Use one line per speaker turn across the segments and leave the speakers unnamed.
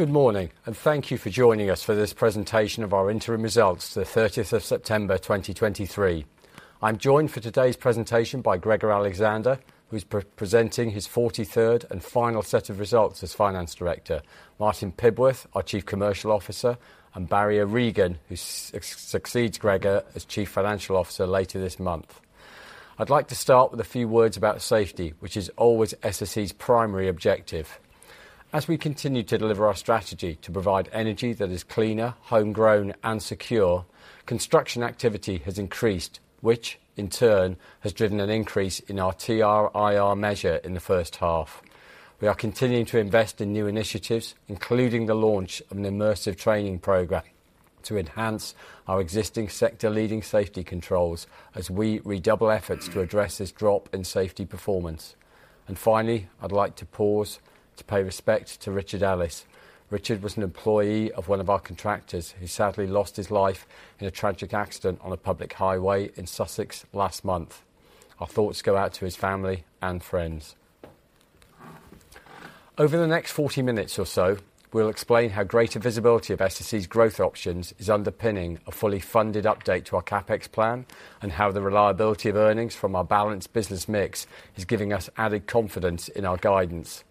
Good morning, and thank you for joining us for this presentation of our interim results for the 30th of September, 2023. I'm joined for today's presentation by Gregor Alexander, who's pre-presenting his 43rd and final set of results as Finance Director, Martin Pibworth, our Chief Commercial Officer, and Barry O'Regan, who succeeds Gregor as Chief Financial Officer later this month. I'd like to start with a few words about safety, which is always SSE's primary objective. As we continue to deliver our strategy to provide energy that is cleaner, homegrown, and secure, construction activity has increased, which, in turn, has driven an increase in our TRIR measure in the first half. We are continuing to invest in new initiatives, including the launch of an immersive training program to enhance our existing sector-leading safety controls as we redouble efforts to address this drop in safety performance. Finally, I'd like to pause to pay respect to Richard Ellis. Richard was an employee of one of our contractors who sadly lost his life in a tragic accident on a public highway in Sussex last month. Our thoughts go out to his family and friends. Over the next 40 minutes or so, we'll explain how greater visibility of SSE's growth options is underpinning a fully funded update to our CapEx plan and how the reliability of earnings from our balanced business mix is giving us added confidence in our guidance.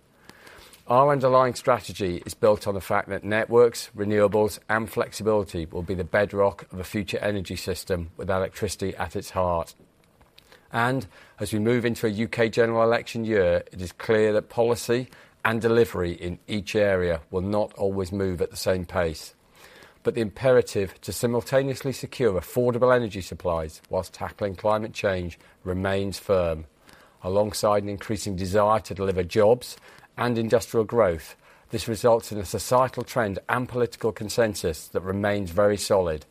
Our underlying strategy is built on the fact that networks, renewables, and flexibility will be the bedrock of a future energy system with electricity at its heart. As we move into a U.K. general election year, it is clear that policy and delivery in each area will not always move at the same pace. But the imperative to simultaneously secure affordable energy supplies while tackling climate change remains firm. Alongside an increasing desire to deliver jobs and industrial growth, this results in a societal trend and political consensus that remains very solid.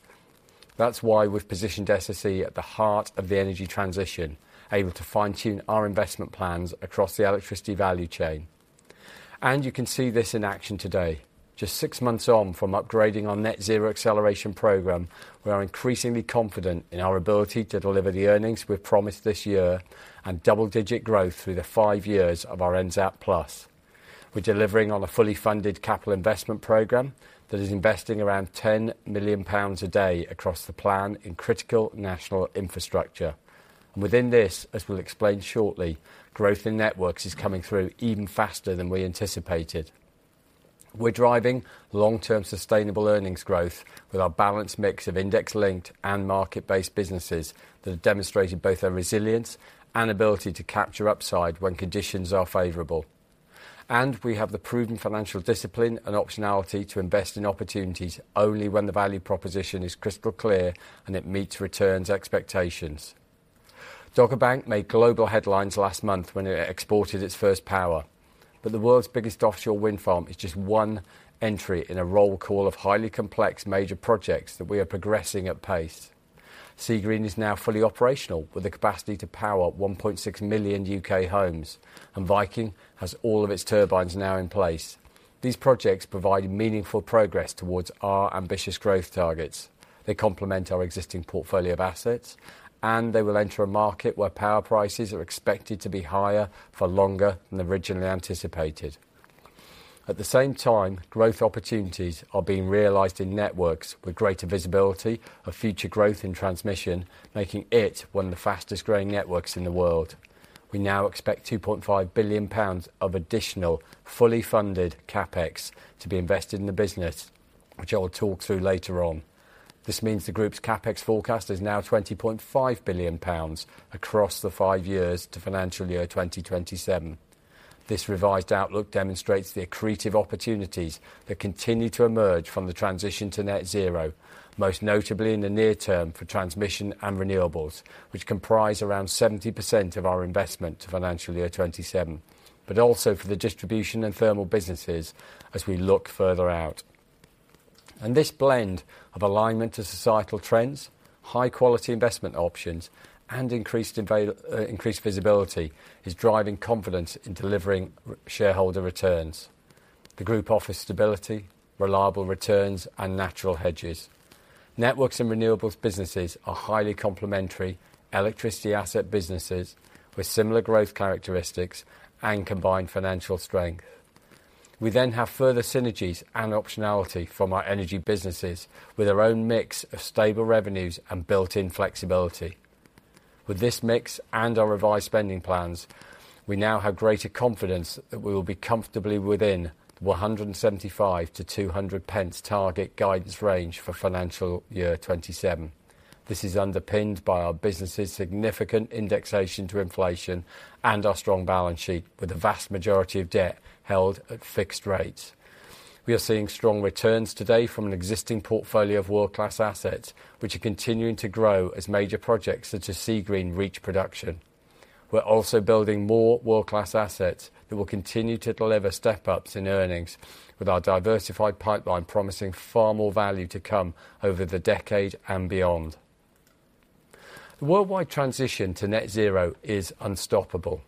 That's why we've positioned SSE at the heart of the energy transition, able to fine-tune our investment plans across the electricity value chain. And you can see this in action today. Just six months on from upgrading our Net Zero Acceleration Programme, we are increasingly confident in our ability to deliver the earnings we've promised this year and double-digit growth through the five years of our NZAP+. We're delivering on a fully funded capital investment program that is investing around 10 million pounds a day across the plan in critical national infrastructure. And within this, as we'll explain shortly, growth in networks is coming through even faster than we anticipated. We're driving long-term sustainable earnings growth with our balanced mix of index-linked and market-based businesses that have demonstrated both their resilience and ability to capture upside when conditions are favorable. We have the proven financial discipline and optionality to invest in opportunities only when the value proposition is crystal clear and it meets returns expectations. Dogger Bank made global headlines last month when it exported its first power, but the world's biggest offshore wind farm is just one entry in a roll call of highly complex major projects that we are progressing at pace. Seagreen is now fully operational with the capacity to power 1.6 million U.K. homes, and Viking has all of its turbines now in place. These projects provide meaningful progress towards our ambitious growth targets. They complement our existing portfolio of assets, and they will enter a market where power prices are expected to be higher for longer than originally anticipated. At the same time, growth opportunities are being realized in networks with greater visibility of future growth and transmission, making it one of the fastest-growing networks in the world. We now expect 2.5 billion pounds of additional fully funded CapEx to be invested in the business, which I will talk through later on. This means the group's CapEx forecast is now 20.5 billion pounds across the five years to financial year 2027. This revised outlook demonstrates the accretive opportunities that continue to emerge from the transition to net-zero, most notably in the near term for transmission and renewables, which comprise around 70% of our investment to financial year 2027, but also for the distribution and thermal businesses as we look further out. This blend of alignment to societal trends, high-quality investment options, and increased availability, increased visibility is driving confidence in delivering our shareholder returns. The group offers stability, reliable returns, and natural hedges. Networks and renewables businesses are highly complementary electricity asset businesses with similar growth characteristics and combined financial strength. We then have further synergies and optionality from our energy businesses with our own mix of stable revenues and built-in flexibility. With this mix and our revised spending plans, we now have greater confidence that we will be comfortably within the 175-200 target guidance range for financial year 2027. This is underpinned by our business's significant indexation to inflation and our strong balance sheet, with the vast majority of debt held at fixed rates. We are seeing strong returns today from an existing portfolio of world-class assets, which are continuing to grow as major projects such as Seagreen reach production. We're also building more world-class assets that will continue to deliver step-ups in earnings, with our diversified pipeline promising far more value to come over the decade and beyond. The worldwide transition to net-zero is unstoppable,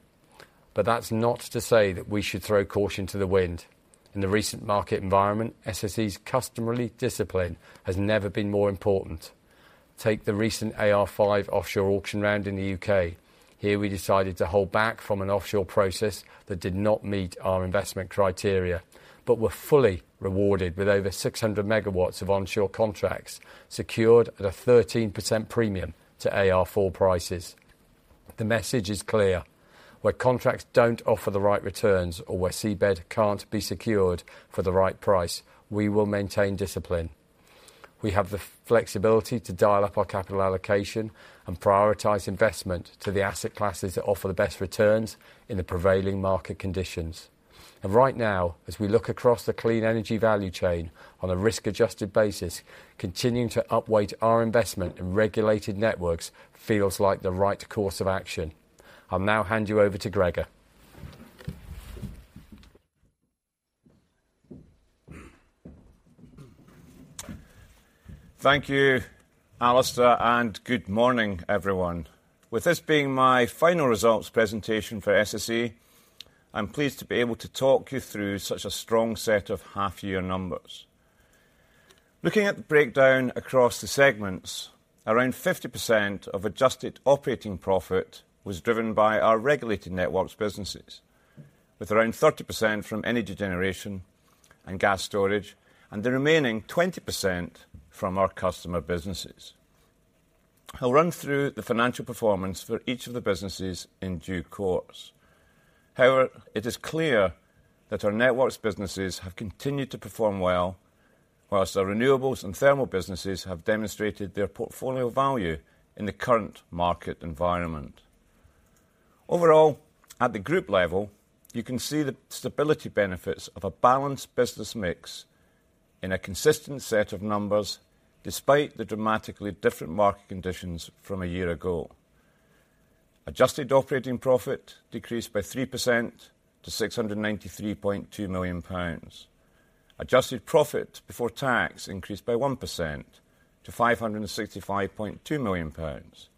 but that's not to say that we should throw caution to the wind. In the recent market environment, SSE's customary discipline has never been more important. Take the recent AR5 offshore auction round in the UK. Here, we decided to hold back from an offshore process that did not meet our investment criteria but were fully rewarded with over 600 MW of onshore contracts secured at a 13% premium to AR4 prices. The message is clear: where contracts don't offer the right returns or where seabed can't be secured for the right price, we will maintain discipline. We have the flexibility to dial up our capital allocation and prioritize investment to the asset classes that offer the best returns in the prevailing market conditions. And right now, as we look across the clean energy value chain on a risk-adjusted basis, continuing to upweight our investment in regulated networks feels like the right course of action. I'll now hand you over to Gregor.
Thank you, Alistair, and good morning, everyone. With this being my final results presentation for SSE, I'm pleased to be able to talk you through such a strong set of half-year numbers. Looking at the breakdown across the segments, around 50% of adjusted operating profit was driven by our regulated networks businesses, with around 30% from energy generation and gas storage, and the remaining 20% from our customer businesses. I'll run through the financial performance for each of the businesses in due course. However, it is clear that our networks businesses have continued to perform well, while our renewables and thermal businesses have demonstrated their portfolio value in the current market environment. Overall, at the group level, you can see the stability benefits of a balanced business mix in a consistent set of numbers despite the dramatically different market conditions from a year ago. Adjusted operating profit decreased by 3% to 693.2 million pounds. Adjusted profit before tax increased by 1% to 565.2 million pounds.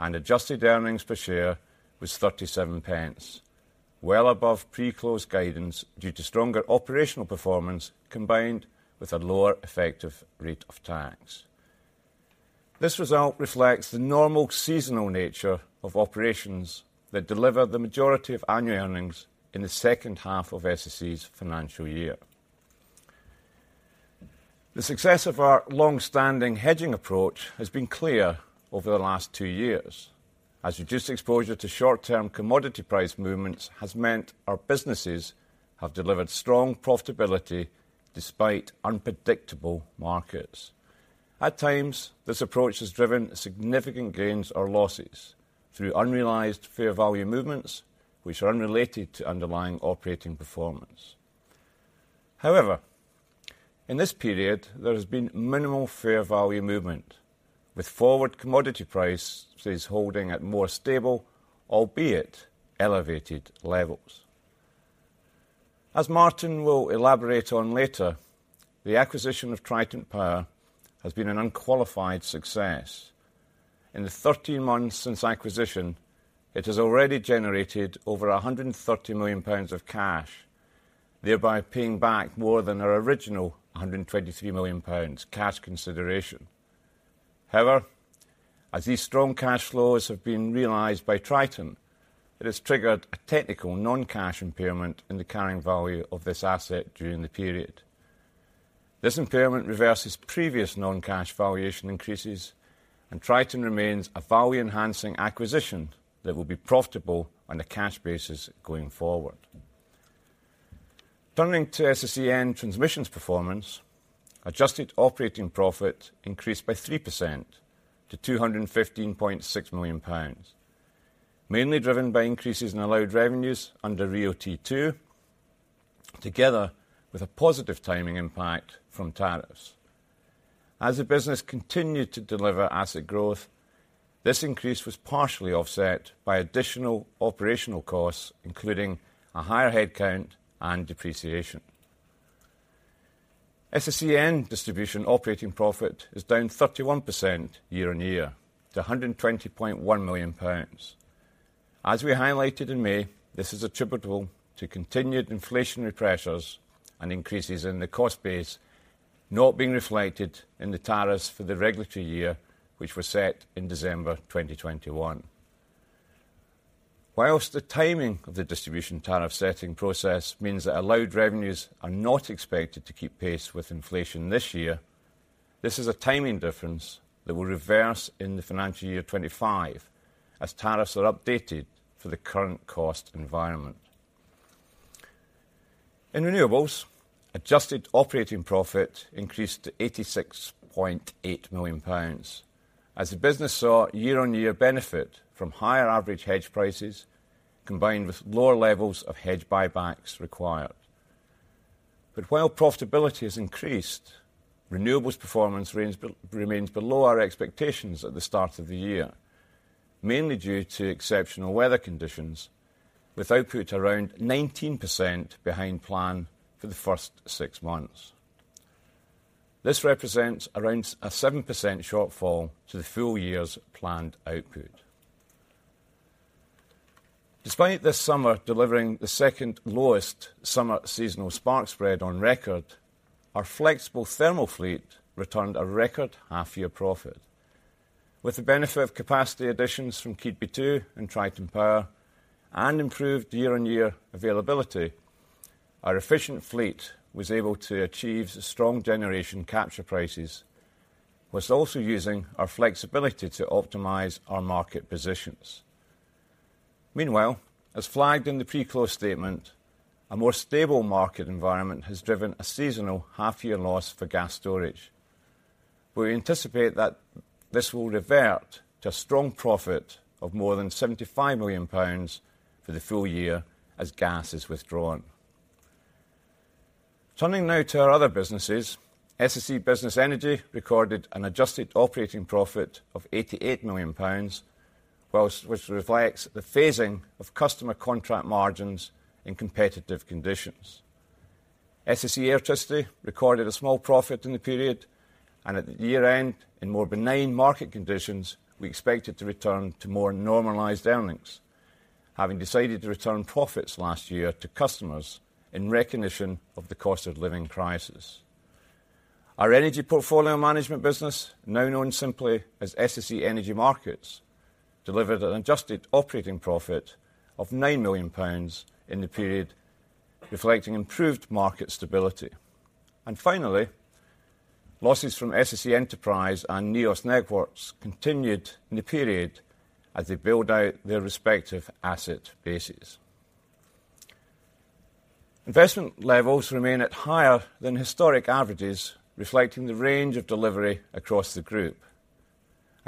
Adjusted earnings per share was 0.37, well above pre-close guidance due to stronger operational performance combined with a lower effective rate of tax. This result reflects the normal seasonal nature of operations that deliver the majority of annual earnings in the second half of SSE's financial year. The success of our longstanding hedging approach has been clear over the last two years. As reduced exposure to short-term commodity price movements has meant our businesses have delivered strong profitability despite unpredictable markets. At times, this approach has driven significant gains or losses through unrealized fair value movements, which are unrelated to underlying operating performance. However, in this period, there has been minimal fair value movement, with forward commodity prices holding at more stable, albeit elevated levels. As Martin will elaborate on later, the acquisition of Triton Power has been an unqualified success. In the 13 months since acquisition, it has already generated over 130 million pounds of cash, thereby paying back more than our original 123 million pounds cash consideration. However, as these strong cash flows have been realized by Triton, it has triggered a technical non-cash impairment in the carrying value of this asset during the period. This impairment reverses previous non-cash valuation increases, and Triton remains a value-enhancing acquisition that will be profitable on a cash basis going forward. Turning to SSEN Transmission's performance, adjusted operating profit increased by 3% to 215.6 million pounds, mainly driven by increases in allowed revenues under RIIO-T2, together with a positive timing impact from tariffs. As the business continued to deliver asset growth, this increase was partially offset by additional operational costs, including a higher headcount and depreciation. SSE's distribution operating profit is down 31% year-over-year to 120.1 million pounds. As we highlighted in May, this is attributable to continued inflationary pressures and increases in the cost base, not being reflected in the tariffs for the regulatory year, which were set in December 2021. While the timing of the distribution tariff setting process means that allowed revenues are not expected to keep pace with inflation this year, this is a timing difference that will reverse in the financial year 2025 as tariffs are updated for the current cost environment. In renewables, adjusted operating profit increased to 86.8 million pounds as the business saw year-over-year benefit from higher average hedge prices combined with lower levels of hedge buybacks required. While profitability has increased, renewables performance remains below our expectations at the start of the year, mainly due to exceptional weather conditions with output around 19% behind plan for the first six months. This represents around a 7% shortfall to the full year's planned output. Despite this summer delivering the second lowest summer seasonal spark spread on record, our flexible thermal fleet returned a record half-year profit. With the benefit of capacity additions from Keadby 2 and Triton Power and improved year-on-year availability, our efficient fleet was able to achieve strong generation capture prices while also using our flexibility to optimize our market positions. Meanwhile, as flagged in the pre-close statement, a more stable market environment has driven a seasonal half-year loss for gas storage. We anticipate that this will revert to a strong profit of more than GBP 75 million for the full year as gas is withdrawn. Turning now to our other businesses, SSE Business Energy recorded an adjusted operating profit of 88 million pounds, which reflects the phasing of customer contract margins in competitive conditions. SSE Airtricity recorded a small profit in the period. At the year-end, in more benign market conditions, we expected to return to more normalized earnings, having decided to return profits last year to customers in recognition of the cost of living crisis. Our energy portfolio management business, now known simply as SSE Energy Markets, delivered an adjusted operating profit of 9 million pounds in the period, reflecting improved market stability. And finally, losses from SSE Enterprise and Neos Networks continued in the period as they build out their respective asset bases. Investment levels remain at higher than historic averages, reflecting the range of delivery across the group.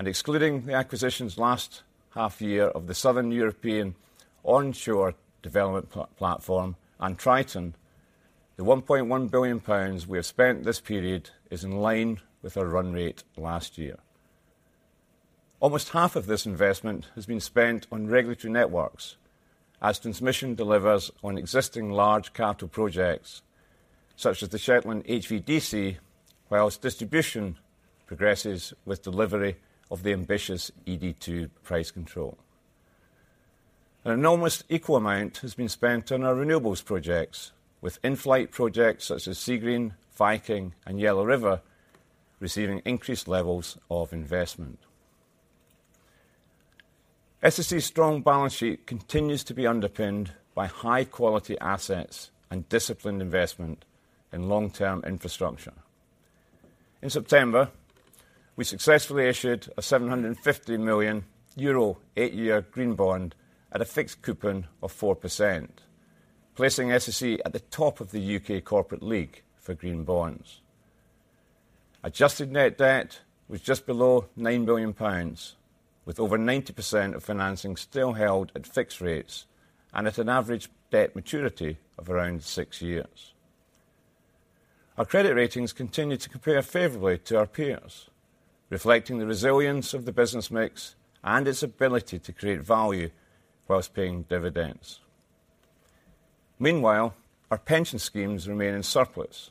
Excluding the acquisition's last half-year of the Southern European Onshore Development Platform and Triton, the 1.1 billion pounds we have spent this period is in line with our run rate last year. Almost half of this investment has been spent on regulatory networks as transmission delivers on existing large capital projects such as the Shetland HVDC, while distribution progresses with delivery of the ambitious RIIO-ED2 price control. An enormous equal amount has been spent on our renewables projects, with in-flight projects such as Seagreen, Viking, and Yellow River receiving increased levels of investment. SSE's strong balance sheet continues to be underpinned by high-quality assets and disciplined investment in long-term infrastructure. In September, we successfully issued a 750 million euro 8-year green bond at a fixed coupon of 4%, placing SSE at the top of the U.K. corporate league for green bonds. Adjusted net debt was just below 9 million pounds, with over 90% of financing still held at fixed rates and at an average debt maturity of around six years. Our credit ratings continue to compare favorably to our peers, reflecting the resilience of the business mix and its ability to create value while paying dividends. Meanwhile, our pension schemes remain in surplus.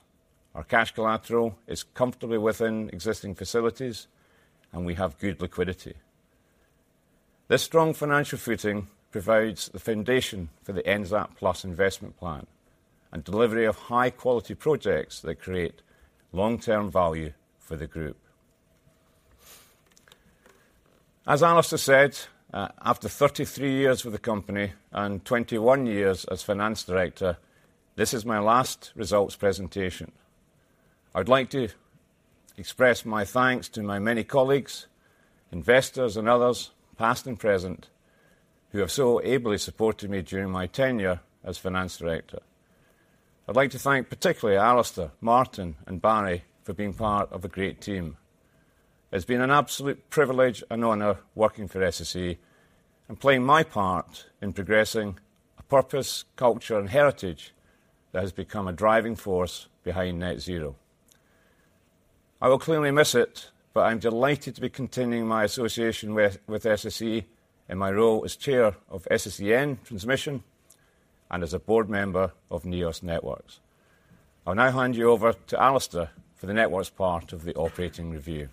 Our cash collateral is comfortably within existing facilities, and we have good liquidity. This strong financial footing provides the foundation for the NZAP+ investment plan and delivery of high-quality projects that create long-term value for the group. As Alistair said, after 33 years with the company and 21 years as finance director, this is my last results presentation. I would like to express my thanks to my many colleagues, investors, and others past and present who have so ably supported me during my tenure as finance director. I'd like to thank particularly Alistair, Martin, and Barry for being part of a great team. It's been an absolute privilege and honor working for SSE and playing my part in progressing a purpose, culture, and heritage that has become a driving force behind net-zero. I will clearly miss it, but I'm delighted to be continuing my association with SSE in my role as Chair of SSEN Transmission and as a board member of Neos Networks. I'll now hand you over to Alistair for the networks part of the operating review.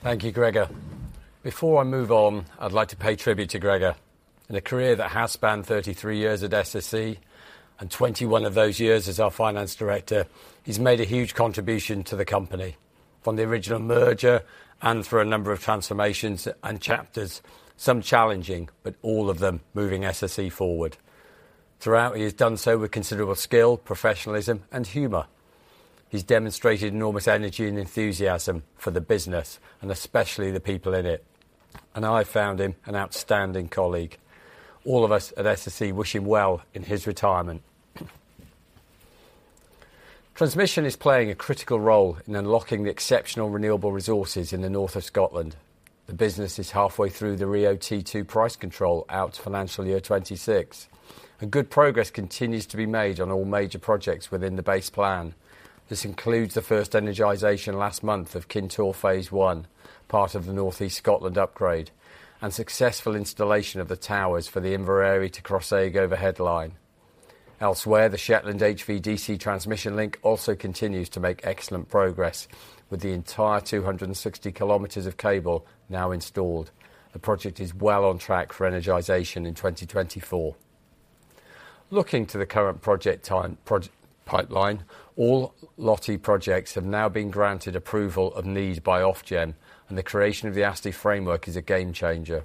Thank you, Gregor. Before I move on, I'd like to pay tribute to Gregor. In a career that has spanned 33 years at SSE and 21 of those years as our finance director, he's made a huge contribution to the company from the original merger and through a number of transformations and chapters, some challenging but all of them moving SSE forward. Throughout, he has done so with considerable skill, professionalism, and humor. He's demonstrated enormous energy and enthusiasm for the business and especially the people in it. I've found him an outstanding colleague. All of us at SSE wish him well in his retirement. Transmission is playing a critical role in unlocking the exceptional renewable resources in the north of Scotland. The business is halfway through the RIIO-T2 price control out to financial year 2026. Good progress continues to be made on all major projects within the base plan. This includes the first energization last month of Kintore Phase One, part of the Northeast Scotland upgrade, and successful installation of the towers for the Inveraray to Crossaig overhead line. Elsewhere, the Shetland HVDC transmission link also continues to make excellent progress with the entire 260 km of cable now installed. The project is well on track for energization in 2024. Looking to the current project pipeline, all LOTI projects have now been granted approval of need by Ofgem, and the creation of the ASTI framework is a game changer.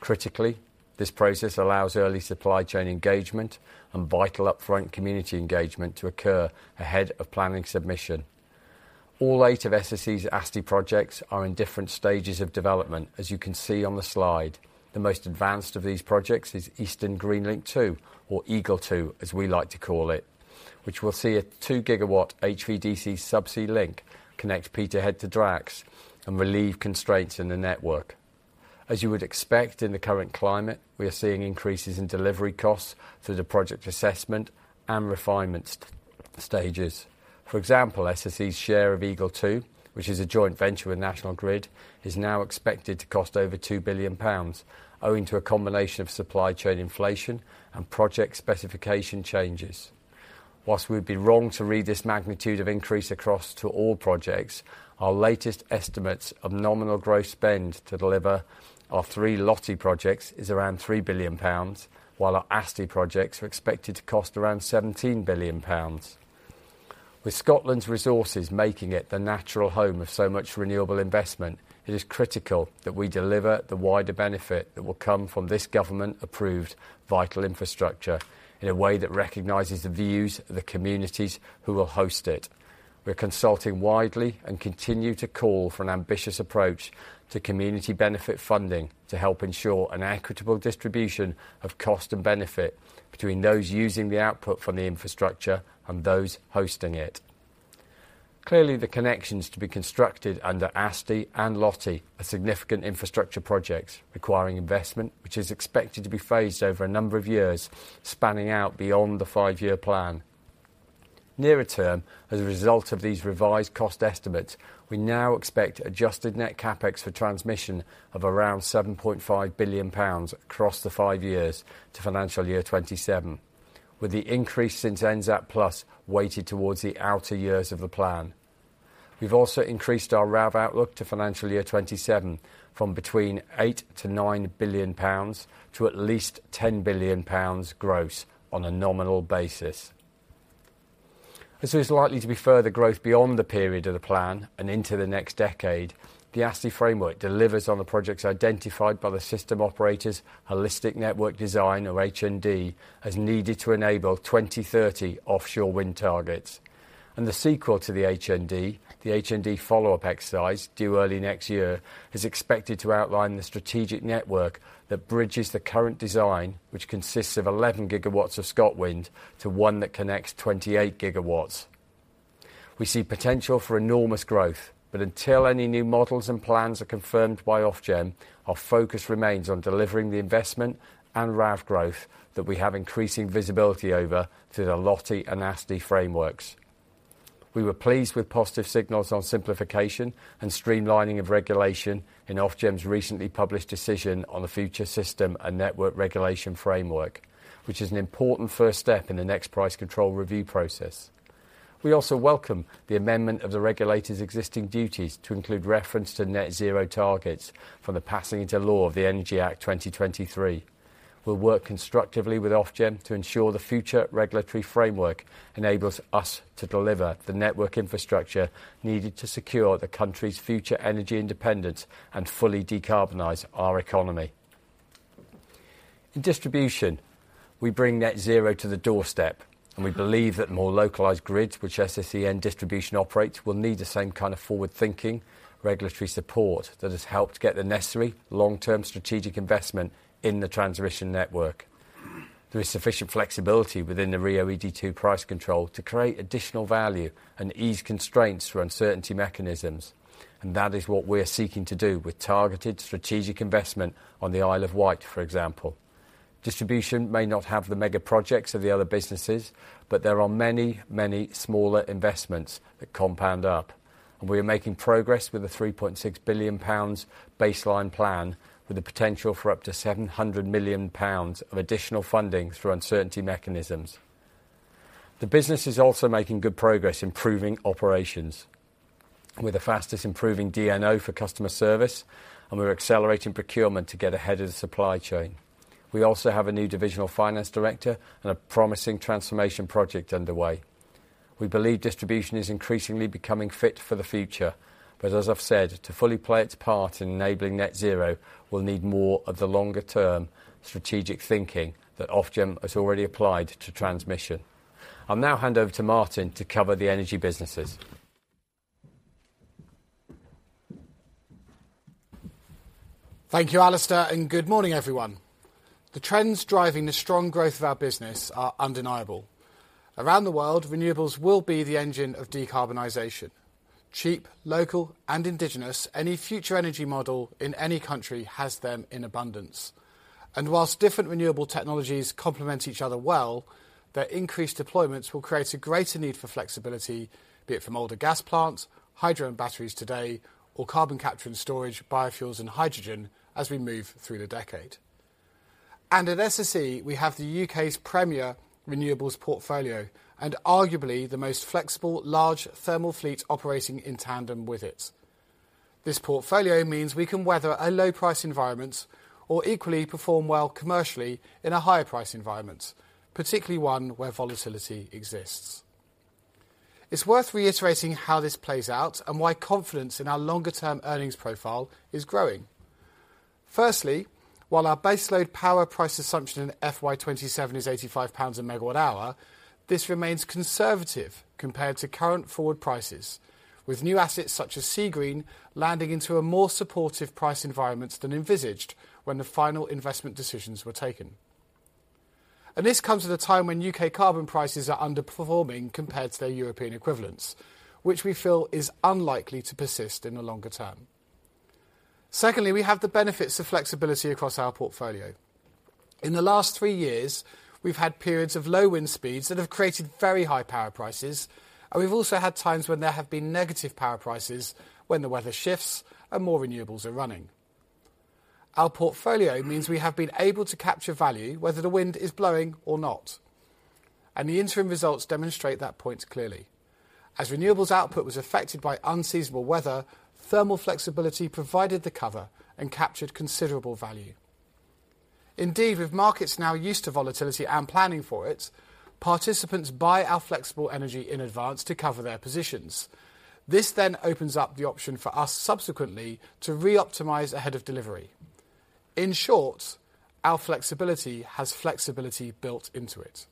Critically, this process allows early supply chain engagement and vital upfront community engagement to occur ahead of planning submission. All eight of SSE's ASTI projects are in different stages of development, as you can see on the slide. The most advanced of these projects is Eastern Green Link 2, or Eagle Two, as we like to call it, which will see a 2-gigawatt HVDC subsea link connect Peterhead to Drax and relieve constraints in the network. As you would expect in the current climate, we are seeing increases in delivery costs through the project assessment and refinement stages. For example, SSE's share of Eagle Two, which is a joint venture with National Grid, is now expected to cost over 2 billion pounds, owing to a combination of supply chain inflation and project specification changes. While we'd be wrong to read this magnitude of increase across to all projects, our latest estimates of nominal gross spend to deliver our three LOTI projects are around 3 billion pounds, while our ASTI projects are expected to cost around 17 billion pounds. With Scotland's resources making it the natural home of so much renewable investment, it is critical that we deliver the wider benefit that will come from this government-approved vital infrastructure in a way that recognizes the views of the communities who will host it. We're consulting widely and continue to call for an ambitious approach to community benefit funding to help ensure an equitable distribution of cost and benefit between those using the output from the infrastructure and those hosting it. Clearly, the connections to be constructed under ASTI and LOTI are significant infrastructure projects requiring investment, which is expected to be phased over a number of years spanning out beyond the five-year plan. Nearer term, as a result of these revised cost estimates, we now expect adjusted net CapEx for transmission of around 7.5 billion pounds across the five years to financial year 2027, with the increase since NZAP+ weighted towards the outer years of the plan. We've also increased our RAV outlook to financial year 2027 from between 8 billion to 9 billion pounds to at least 10 billion pounds gross on a nominal basis. As there's likely to be further growth beyond the period of the plan and into the next decade, the ASTI framework delivers on the projects identified by the system operator's holistic network design, or HND, as needed to enable 2030 offshore wind targets. The sequel to the HND, the HND follow-up exercise due early next year, is expected to outline the strategic network that bridges the current design, which consists of 11 GW of Scottish wind, to one that connects 28 GW. We see potential for enormous growth, but until any new models and plans are confirmed by Ofgem, our focus remains on delivering the investment and RAV growth that we have increasing visibility over through the LOTI and ASTI frameworks. We were pleased with positive signals on simplification and streamlining of regulation in Ofgem's recently published decision on the Future System and Network Regulation Framework, which is an important first step in the next price control review process. We also welcome the amendment of the regulator's existing duties to include reference to net-zero targets from the passing into law of the Energy Act 2023. We'll work constructively with Ofgem to ensure the future regulatory framework enables us to deliver the network infrastructure needed to secure the country's future energy independence and fully decarbonize our economy. In distribution, we bring net-zero to the doorstep, and we believe that more localized grids, which SSEN Distribution operates, will need the same kind of forward-thinking regulatory support that has helped get the necessary long-term strategic investment in the transmission network. There is sufficient flexibility within the RIIO-ED2 price control to create additional value and ease constraints for uncertainty mechanisms. And that is what we are seeking to do with targeted strategic investment on the Isle of Wight, for example. Distribution may not have the megaprojects of the other businesses, but there are many, many smaller investments that compound up. We are making progress with the 3.6 billion pounds baseline plan, with the potential for up to 700 million pounds of additional funding through uncertainty mechanisms. The business is also making good progress improving operations, with the fastest improving DNO for customer service, and we're accelerating procurement to get ahead of the supply chain. We also have a new divisional finance director and a promising transformation project underway. We believe distribution is increasingly becoming fit for the future, but as I've said, to fully play its part in enabling net-zero, we'll need more of the longer-term strategic thinking that Ofgem has already applied to transmission. I'll now hand over to Martin to cover the energy businesses.
Thank you, Alistair, and good morning, everyone. The trends driving the strong growth of our business are undeniable. Around the world, renewables will be the engine of decarbonization. Cheap, local, and indigenous, any future energy model in any country has them in abundance. While different renewable technologies complement each other well, their increased deployments will create a greater need for flexibility, be it from older gas plants, hydro and batteries today, or carbon capture and storage, biofuels, and hydrogen as we move through the decade. At SSE, we have the UK's premier renewables portfolio and arguably the most flexible large thermal fleet operating in tandem with it. This portfolio means we can weather a low-price environment or equally perform well commercially in a higher-price environment, particularly one where volatility exists. It's worth reiterating how this plays out and why confidence in our longer-term earnings profile is growing. Firstly, while our baseload power price assumption in FY27 is 85 pounds/MWh, this remains conservative compared to current forward prices, with new assets such as Seagreen landing into a more supportive price environment than envisaged when the final investment decisions were taken. This comes at a time when U.K. carbon prices are underperforming compared to their European equivalents, which we feel is unlikely to persist in the longer term. Secondly, we have the benefits of flexibility across our portfolio. In the last three years, we've had periods of low wind speeds that have created very high power prices, and we've also had times when there have been negative power prices when the weather shifts and more renewables are running. Our portfolio means we have been able to capture value whether the wind is blowing or not. The interim results demonstrate that point clearly. As renewables output was affected by unseasonable weather, thermal flexibility provided the cover and captured considerable value. Indeed, with markets now used to volatility and planning for it, participants buy our flexible energy in advance to cover their positions. This then opens up the option for us subsequently to reoptimise ahead of delivery. In short, our flexibility has flexibility built into it.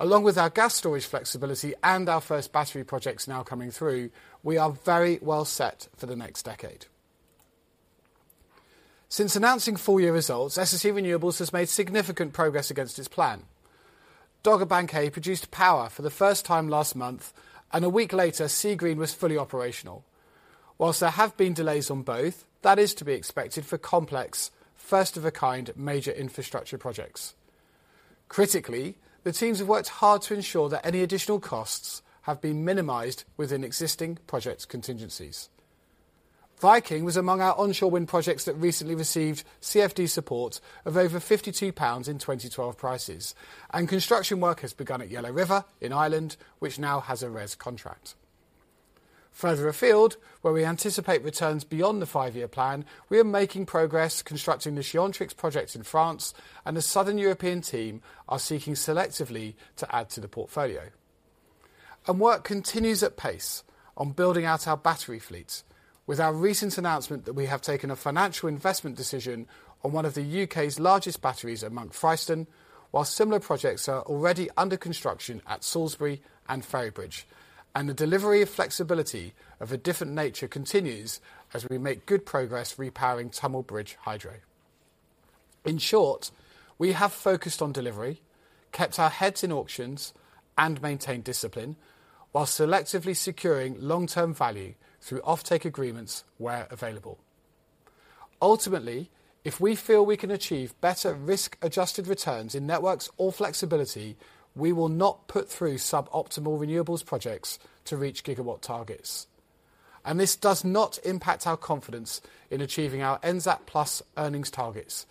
Along with our gas storage flexibility and our first battery projects now coming through, we are very well set for the next decade. Since announcing full-year results, SSE Renewables has made significant progress against its plan. Dogger Bank A produced power for the first time last month, and a week later, Seagreen was fully operational. While there have been delays on both, that is to be expected for complex, first-of-a-kind major infrastructure projects. Critically, the teams have worked hard to ensure that any additional costs have been minimized within existing project contingencies. Viking was among our onshore wind projects that recently received CFD support of over 52 pounds in 2012 prices, and construction work has begun at Yellow River in Ireland, which now has a RESS contract. Further afield, where we anticipate returns beyond the five-year plan, we are making progress constructing the Chaintrix project in France, and a southern European team are seeking selectively to add to the portfolio. Work continues at pace on building out our battery fleet, with our recent announcement that we have taken a financial investment decision on one of the UK's largest batteries at Monk Fryston, while similar projects are already under construction at Salisbury and Ferrybridge. The delivery of flexibility of a different nature continues as we make good progress repowering Tummel Bridge Hydro. In short, we have focused on delivery, kept our heads in auctions, and maintained discipline while selectively securing long-term value through offtake agreements where available. Ultimately, if we feel we can achieve better risk-adjusted returns in networks or flexibility, we will not put through suboptimal renewables projects to reach gigawatt targets. And this does not impact our confidence in achieving our NZAP+ earnings targets,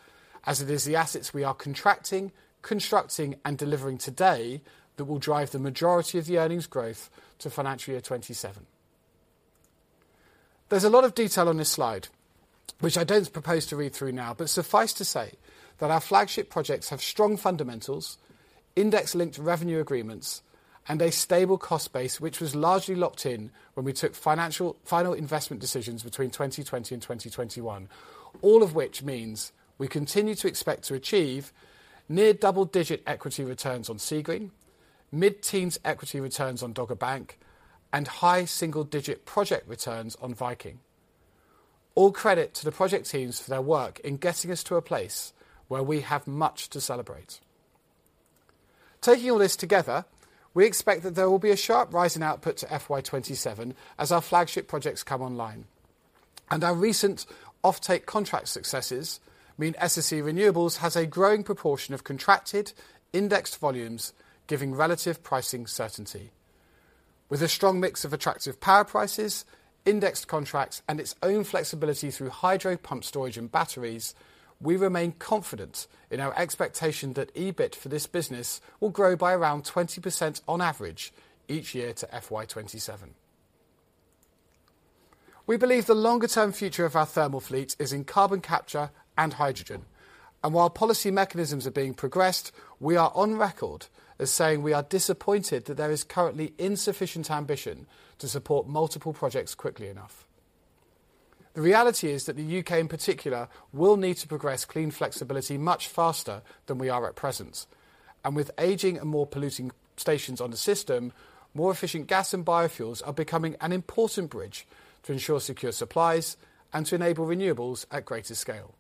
as it is the assets we are contracting, constructing, and delivering today that will drive the majority of the earnings growth to financial year 2027. There's a lot of detail on this slide, which I don't propose to read through now, but suffice to say that our flagship projects have strong fundamentals, index-linked revenue agreements, and a stable cost base which was largely locked in when we took final investment decisions between 2020 and 2021, all of which means we continue to expect to achieve near double-digit equity returns on Seagreen, mid-teens equity returns on Dogger Bank, and high single-digit project returns on Viking. All credit to the project teams for their work in getting us to a place where we have much to celebrate. Taking all this together, we expect that there will be a sharp rise in output to FY27 as our flagship projects come online. Our recent offtake contract successes mean SSE Renewables has a growing proportion of contracted indexed volumes giving relative pricing certainty. With a strong mix of attractive power prices, indexed contracts, and its own flexibility through hydro pump storage and batteries, we remain confident in our expectation that EBIT for this business will grow by around 20% on average each year to FY27. We believe the longer-term future of our thermal fleet is in carbon capture and hydrogen. And while policy mechanisms are being progressed, we are on record as saying we are disappointed that there is currently insufficient ambition to support multiple projects quickly enough. The reality is that the U.K., in particular, will need to progress clean flexibility much faster than we are at present. And with aging and more polluting stations on the system, more efficient gas and biofuels are becoming an important bridge to ensure secure supplies and to enable renewables at greater scale.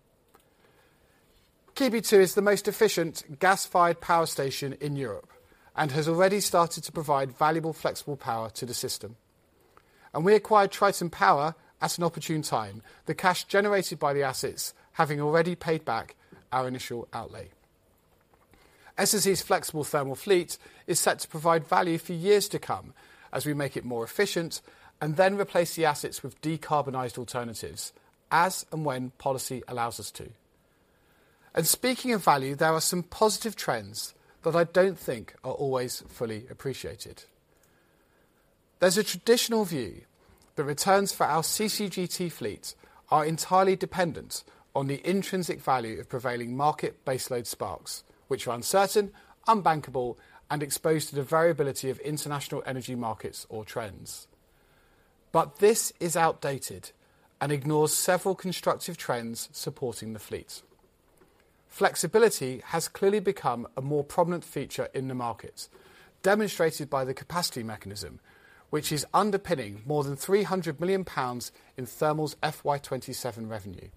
2 is the most efficient gas-fired power station in Europe and has already started to provide valuable flexible power to the system. We acquired Triton Power at an opportune time, the cash generated by the assets having already paid back our initial outlay. SSE's flexible thermal fleet is set to provide value for years to come as we make it more efficient and then replace the assets with decarbonized alternatives as and when policy allows us to. Speaking of value, there are some positive trends that I don't think are always fully appreciated. There's a traditional view that returns for our CCGT fleet are entirely dependent on the intrinsic value of prevailing market baseload spark spreads, which are uncertain, unbankable, and exposed to the variability of international energy markets or trends. This is outdated and ignores several constructive trends supporting the fleet. Flexibility has clearly become a more prominent feature in the markets, demonstrated by the capacity mechanism, which is underpinning more than 300 million pounds in thermal's FY27 revenue.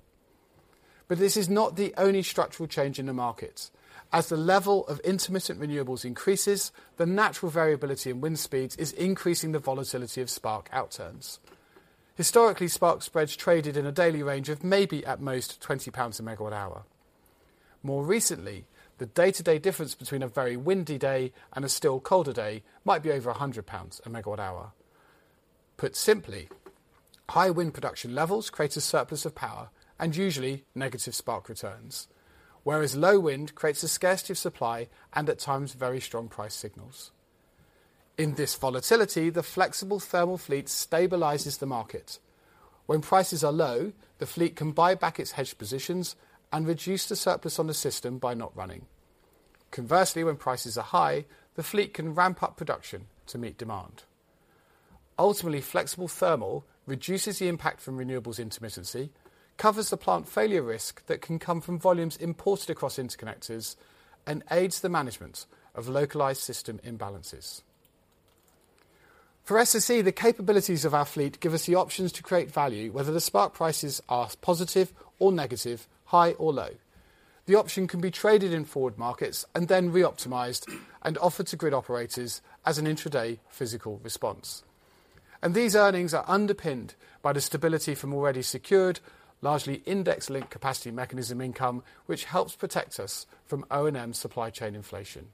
But this is not the only structural change in the markets. As the level of intermittent renewables increases, the natural variability in wind speeds is increasing the volatility of spark outturns. Historically, spark spreads traded in a daily range of maybe at most 20 pounds a MWh. More recently, the day-to-day difference between a very windy day and a still colder day might be over 100 pounds a MWh. Put simply, high wind production levels create a surplus of power and usually negative spark returns, whereas low wind creates a scarcity of supply and at times very strong price signals. In this volatility, the flexible thermal fleet stabilizes the market. When prices are low, the fleet can buy back its hedged positions and reduce the surplus on the system by not running. Conversely, when prices are high, the fleet can ramp up production to meet demand. Ultimately, flexible thermal reduces the impact from renewables' intermittency, covers the plant failure risk that can come from volumes imported across interconnectors, and aids the management of localized system imbalances. For SSE, the capabilities of our fleet give us the options to create value whether the spark prices are positive or negative, high or low. The option can be traded in forward markets and then reoptimized and offered to grid operators as an intraday physical response. And these earnings are underpinned by the stability from already secured, largely index-linked capacity mechanism income, which helps protect us from O&M's supply chain inflation.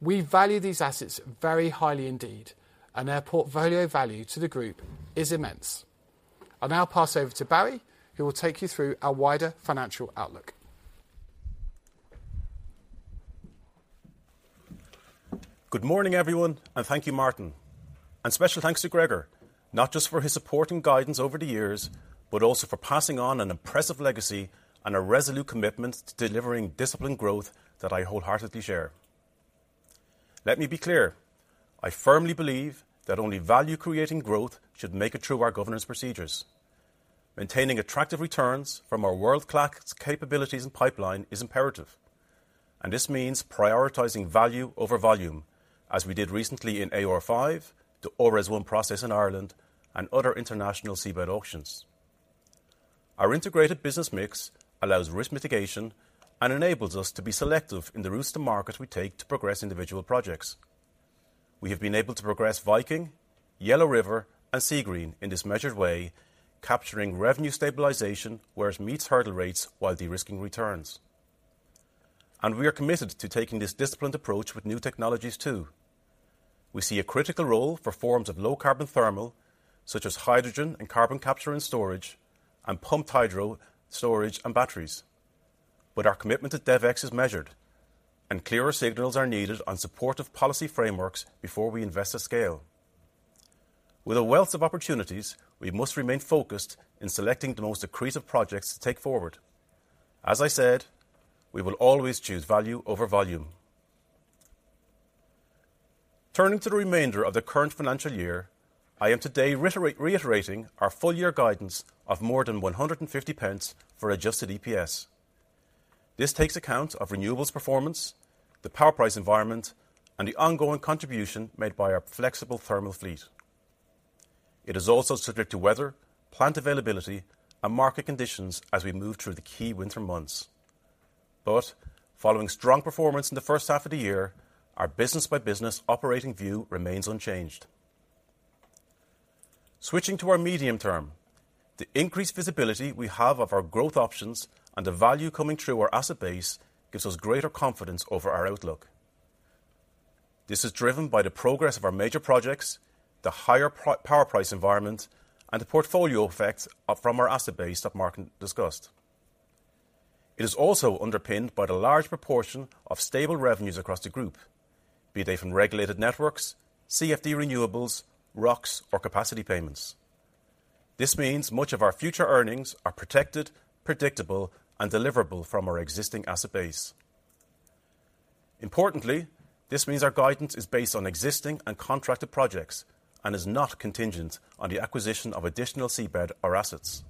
We value these assets very highly indeed, and our portfolio value to the group is immense. I'll now pass over to Barry, who will take you through our wider financial outlook.
Good morning, everyone, and thank you, Martin. Special thanks to Gregor, not just for his support and guidance over the years, but also for passing on an impressive legacy and a resolute commitment to delivering disciplined growth that I wholeheartedly share. Let me be clear. I firmly believe that only value-creating growth should make it through our governance procedures. Maintaining attractive returns from our world-class capabilities and pipeline is imperative. This means prioritizing value over volume, as we did recently in AR5, the ORESS process in Ireland, and other international seabed auctions. Our integrated business mix allows risk mitigation and enables us to be selective in the routes to market we take to progress individual projects. We have been able to progress Viking, Yellow River, and Seagreen in this measured way, capturing revenue stabilisation where it meets hurdle rates while de-risking returns. We are committed to taking this disciplined approach with new technologies too. We see a critical role for forms of low-carbon thermal, such as hydrogen and carbon capture and storage, and pumped hydro storage and batteries. But our commitment to DevEx is measured, and clearer signals are needed on supportive policy frameworks before we invest at scale. With a wealth of opportunities, we must remain focused in selecting the most accretive projects to take forward. As I said, we will always choose value over volume. Turning to the remainder of the current financial year, I am today reiterating our full-year guidance of more than 150 for adjusted EPS. This takes account of renewables performance, the power price environment, and the ongoing contribution made by our flexible thermal fleet. It is also subject to weather, plant availability, and market conditions as we move through the key winter months. But following strong performance in the first half of the year, our business-by-business operating view remains unchanged. Switching to our medium term, the increased visibility we have of our growth options and the value coming through our asset base gives us greater confidence over our outlook. This is driven by the progress of our major projects, the higher power price environment, and the portfolio effect from our asset base that Martin discussed. It is also underpinned by the large proportion of stable revenues across the group, be they from regulated networks, CFD renewables, ROCs, or capacity payments. This means much of our future earnings are protected, predictable, and deliverable from our existing asset base. Importantly, this means our guidance is based on existing and contracted projects and is not contingent on the acquisition of additional seabed or assets.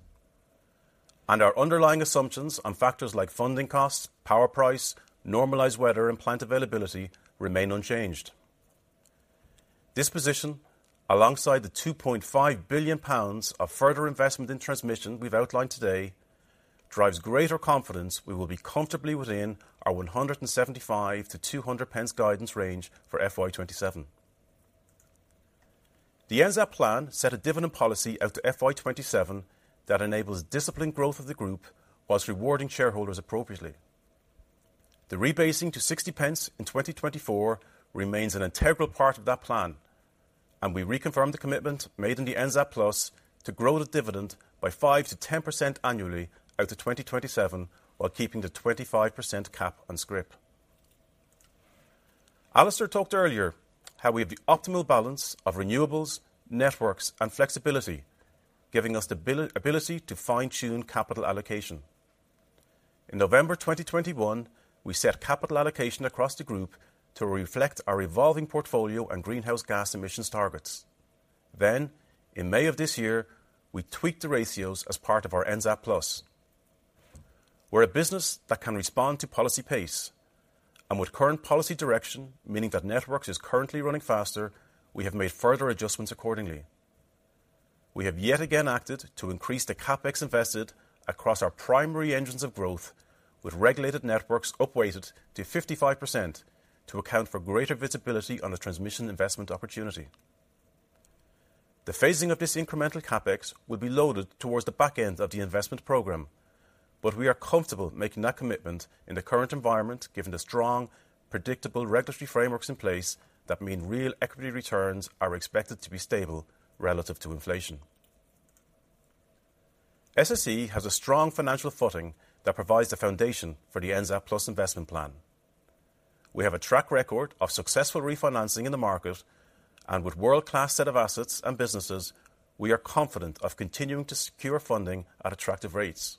Our underlying assumptions on factors like funding costs, power price, normalized weather, and plant availability remain unchanged. This position, alongside the 2.5 billion pounds of further investment in transmission we've outlined today, drives greater confidence we will be comfortably within our 175-200 guidance range for FY27. The NZAP plan set a dividend policy out to FY27 that enables disciplined growth of the group while rewarding shareholders appropriately. The rebasing to 0.60 in 2024 remains an integral part of that plan, and we reconfirm the commitment made in the NZAP+ to grow the dividend by 5%-10% annually out to 2027 while keeping the 25% cap on scrip. Alistair talked earlier how we have the optimal balance of renewables, networks, and flexibility, giving us the ability to fine-tune capital allocation. In November 2021, we set capital allocation across the group to reflect our evolving portfolio and greenhouse gas emissions targets. Then, in May of this year, we tweaked the ratios as part of our NZAP+. We're a business that can respond to policy pace. And with current policy direction, meaning that networks are currently running faster, we have made further adjustments accordingly. We have yet again acted to increase the CapEx invested across our primary engines of growth, with regulated networks upweighted to 55% to account for greater visibility on the transmission investment opportunity. The phasing of this incremental CapEx will be loaded towards the back end of the investment programme, but we are comfortable making that commitment in the current environment given the strong, predictable regulatory frameworks in place that mean real equity returns are expected to be stable relative to inflation. SSE has a strong financial footing that provides the foundation for the NZAP+ investment plan. We have a track record of successful refinancing in the market, and with a world-class set of assets and businesses, we are confident of continuing to secure funding at attractive rates.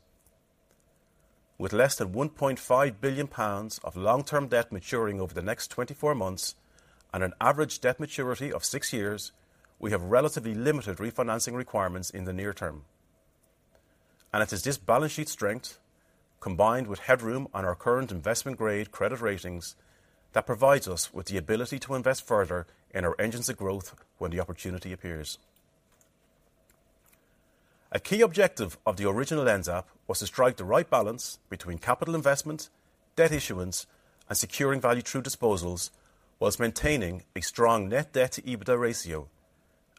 With less than 1.5 billion pounds of long-term debt maturing over the next 24 months and an average debt maturity of six years, we have relatively limited refinancing requirements in the near term. It is this balance sheet strength, combined with headroom on our current investment-grade credit ratings, that provides us with the ability to invest further in our engines of growth when the opportunity appears. A key objective of the original NZAP was to strike the right balance between capital investment, debt issuance, and securing value-true disposals whilst maintaining a strong net debt-to-EBITDA ratio,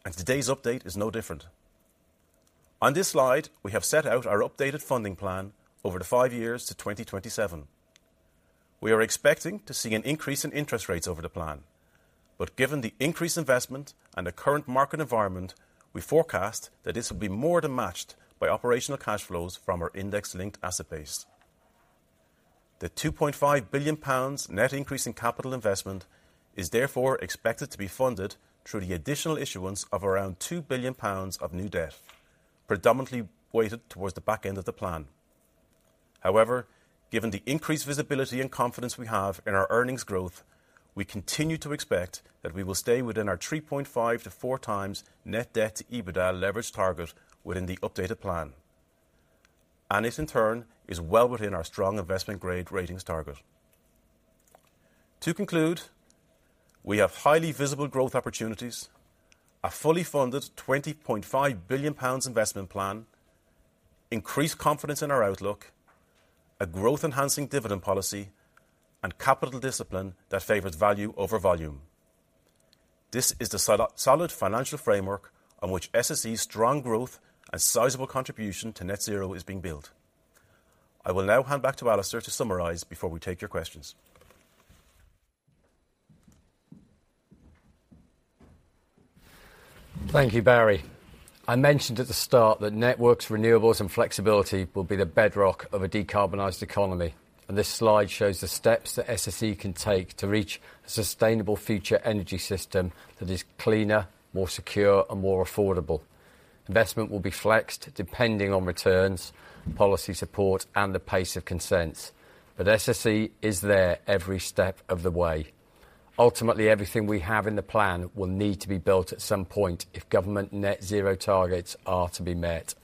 and today's update is no different. On this slide, we have set out our updated funding plan over the five years to 2027. We are expecting to see an increase in interest rates over the plan, but given the increased investment and the current market environment, we forecast that this will be more than matched by operational cash flows from our index-linked asset base. The 2.5 billion pounds net increase in capital investment is therefore expected to be funded through the additional issuance of around 2 billion pounds of new debt, predominantly weighted towards the back end of the plan. However, given the increased visibility and confidence we have in our earnings growth, we continue to expect that we will stay within our 3.5-4 times net debt-to-EBITDA leverage target within the updated plan. It, in turn, is well within our strong investment-grade ratings target. To conclude, we have highly visible growth opportunities, a fully funded 20.5 billion pounds investment plan, increased confidence in our outlook, a growth-enhancing dividend policy, and capital discipline that favors value over volume. This is the solid financial framework on which SSE's strong growth and sizable contribution to net zero is being built. I will now hand back to Alistair to summarize before we take your questions.
Thank you, Barry. I mentioned at the start that networks, renewables, and flexibility will be the bedrock of a decarbonized economy, and this slide shows the steps that SSE can take to reach a sustainable future energy system that is cleaner, more secure, and more affordable. Investment will be flexed depending on returns, policy support, and the pace of consent, but SSE is there every step of the way. Ultimately, everything we have in the plan will need to be built at some point if government net zero targets are to be met.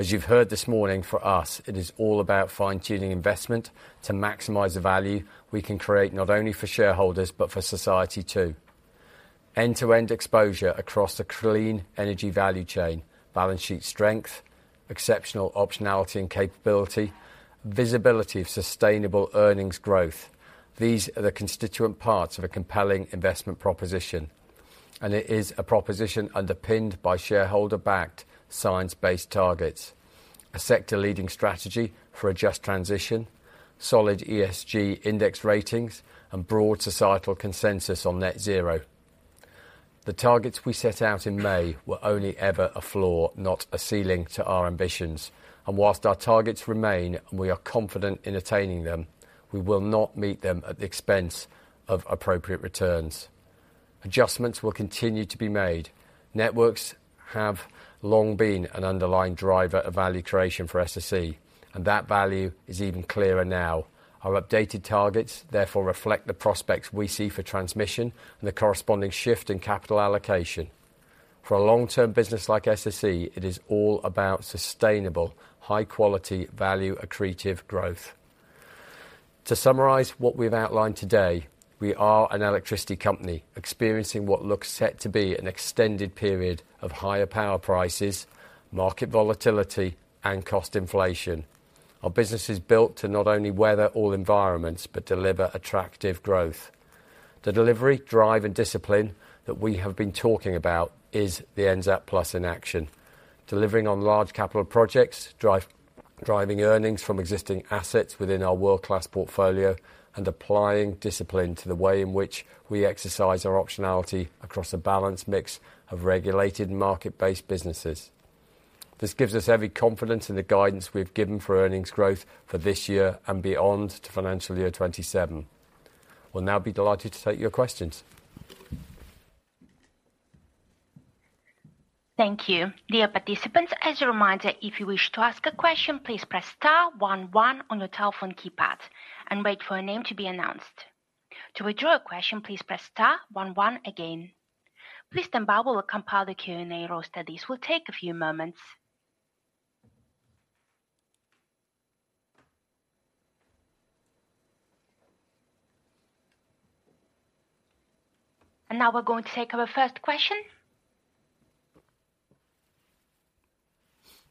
As you've heard this morning, for us, it is all about fine-tuning investment to maximize the value we can create not only for shareholders but for society too. End-to-end exposure across the clean energy value chain, balance sheet strength, exceptional optionality and capability, visibility of sustainable earnings growth—these are the constituent parts of a compelling investment proposition. It is a proposition underpinned by shareholder-backed science-based targets, a sector-leading strategy for a just transition, solid ESG index ratings, and broad societal consensus on net zero. The targets we set out in May were only ever a floor, not a ceiling, to our ambitions, and whilst our targets remain and we are confident in attaining them, we will not meet them at the expense of appropriate returns. Adjustments will continue to be made. Networks have long been an underlying driver of value creation for SSE, and that value is even clearer now. Our updated targets therefore reflect the prospects we see for transmission and the corresponding shift in capital allocation. For a long-term business like SSE, it is all about sustainable, high-quality, value-accretive growth. To summarize what we've outlined today, we are an electricity company experiencing what looks set to be an extended period of higher power prices, market volatility, and cost inflation. Our business is built to not only weather all environments but deliver attractive growth. The delivery, drive, and discipline that we have been talking about is the NZAP+ in action. Delivering on large capital projects, driving earnings from existing assets within our world-class portfolio, and applying discipline to the way in which we exercise our optionality across a balanced mix of regulated and market-based businesses. This gives us heavy confidence in the guidance we've given for earnings growth for this year and beyond to financial year 2027. We'll now be delighted to take your questions.
Thank you. Dear participants, as a reminder, if you wish to ask a question, please press star one one on your telephone keypad and wait for your name to be announced. To withdraw a question, please press star one one again. Please stand by while we compile the Q&A roster. This will take a few moments. Now we're going to take our first question.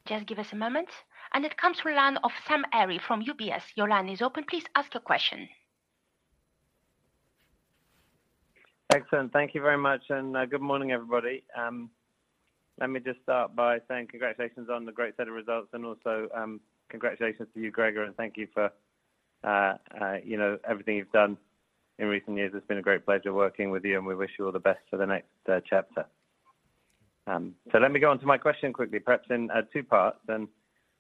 Just give us a moment. It comes from the line of Sam Arie from UBS. Your line is open. Please ask your question.
Excellent. Thank you very much. Good morning, everybody. Let me just start by saying congratulations on the great set of results and also congratulations to you, Gregor, and thank you for everything you've done in recent years. It's been a great pleasure working with you, and we wish you all the best for the next chapter. Let me go on to my question quickly, perhaps in two parts, and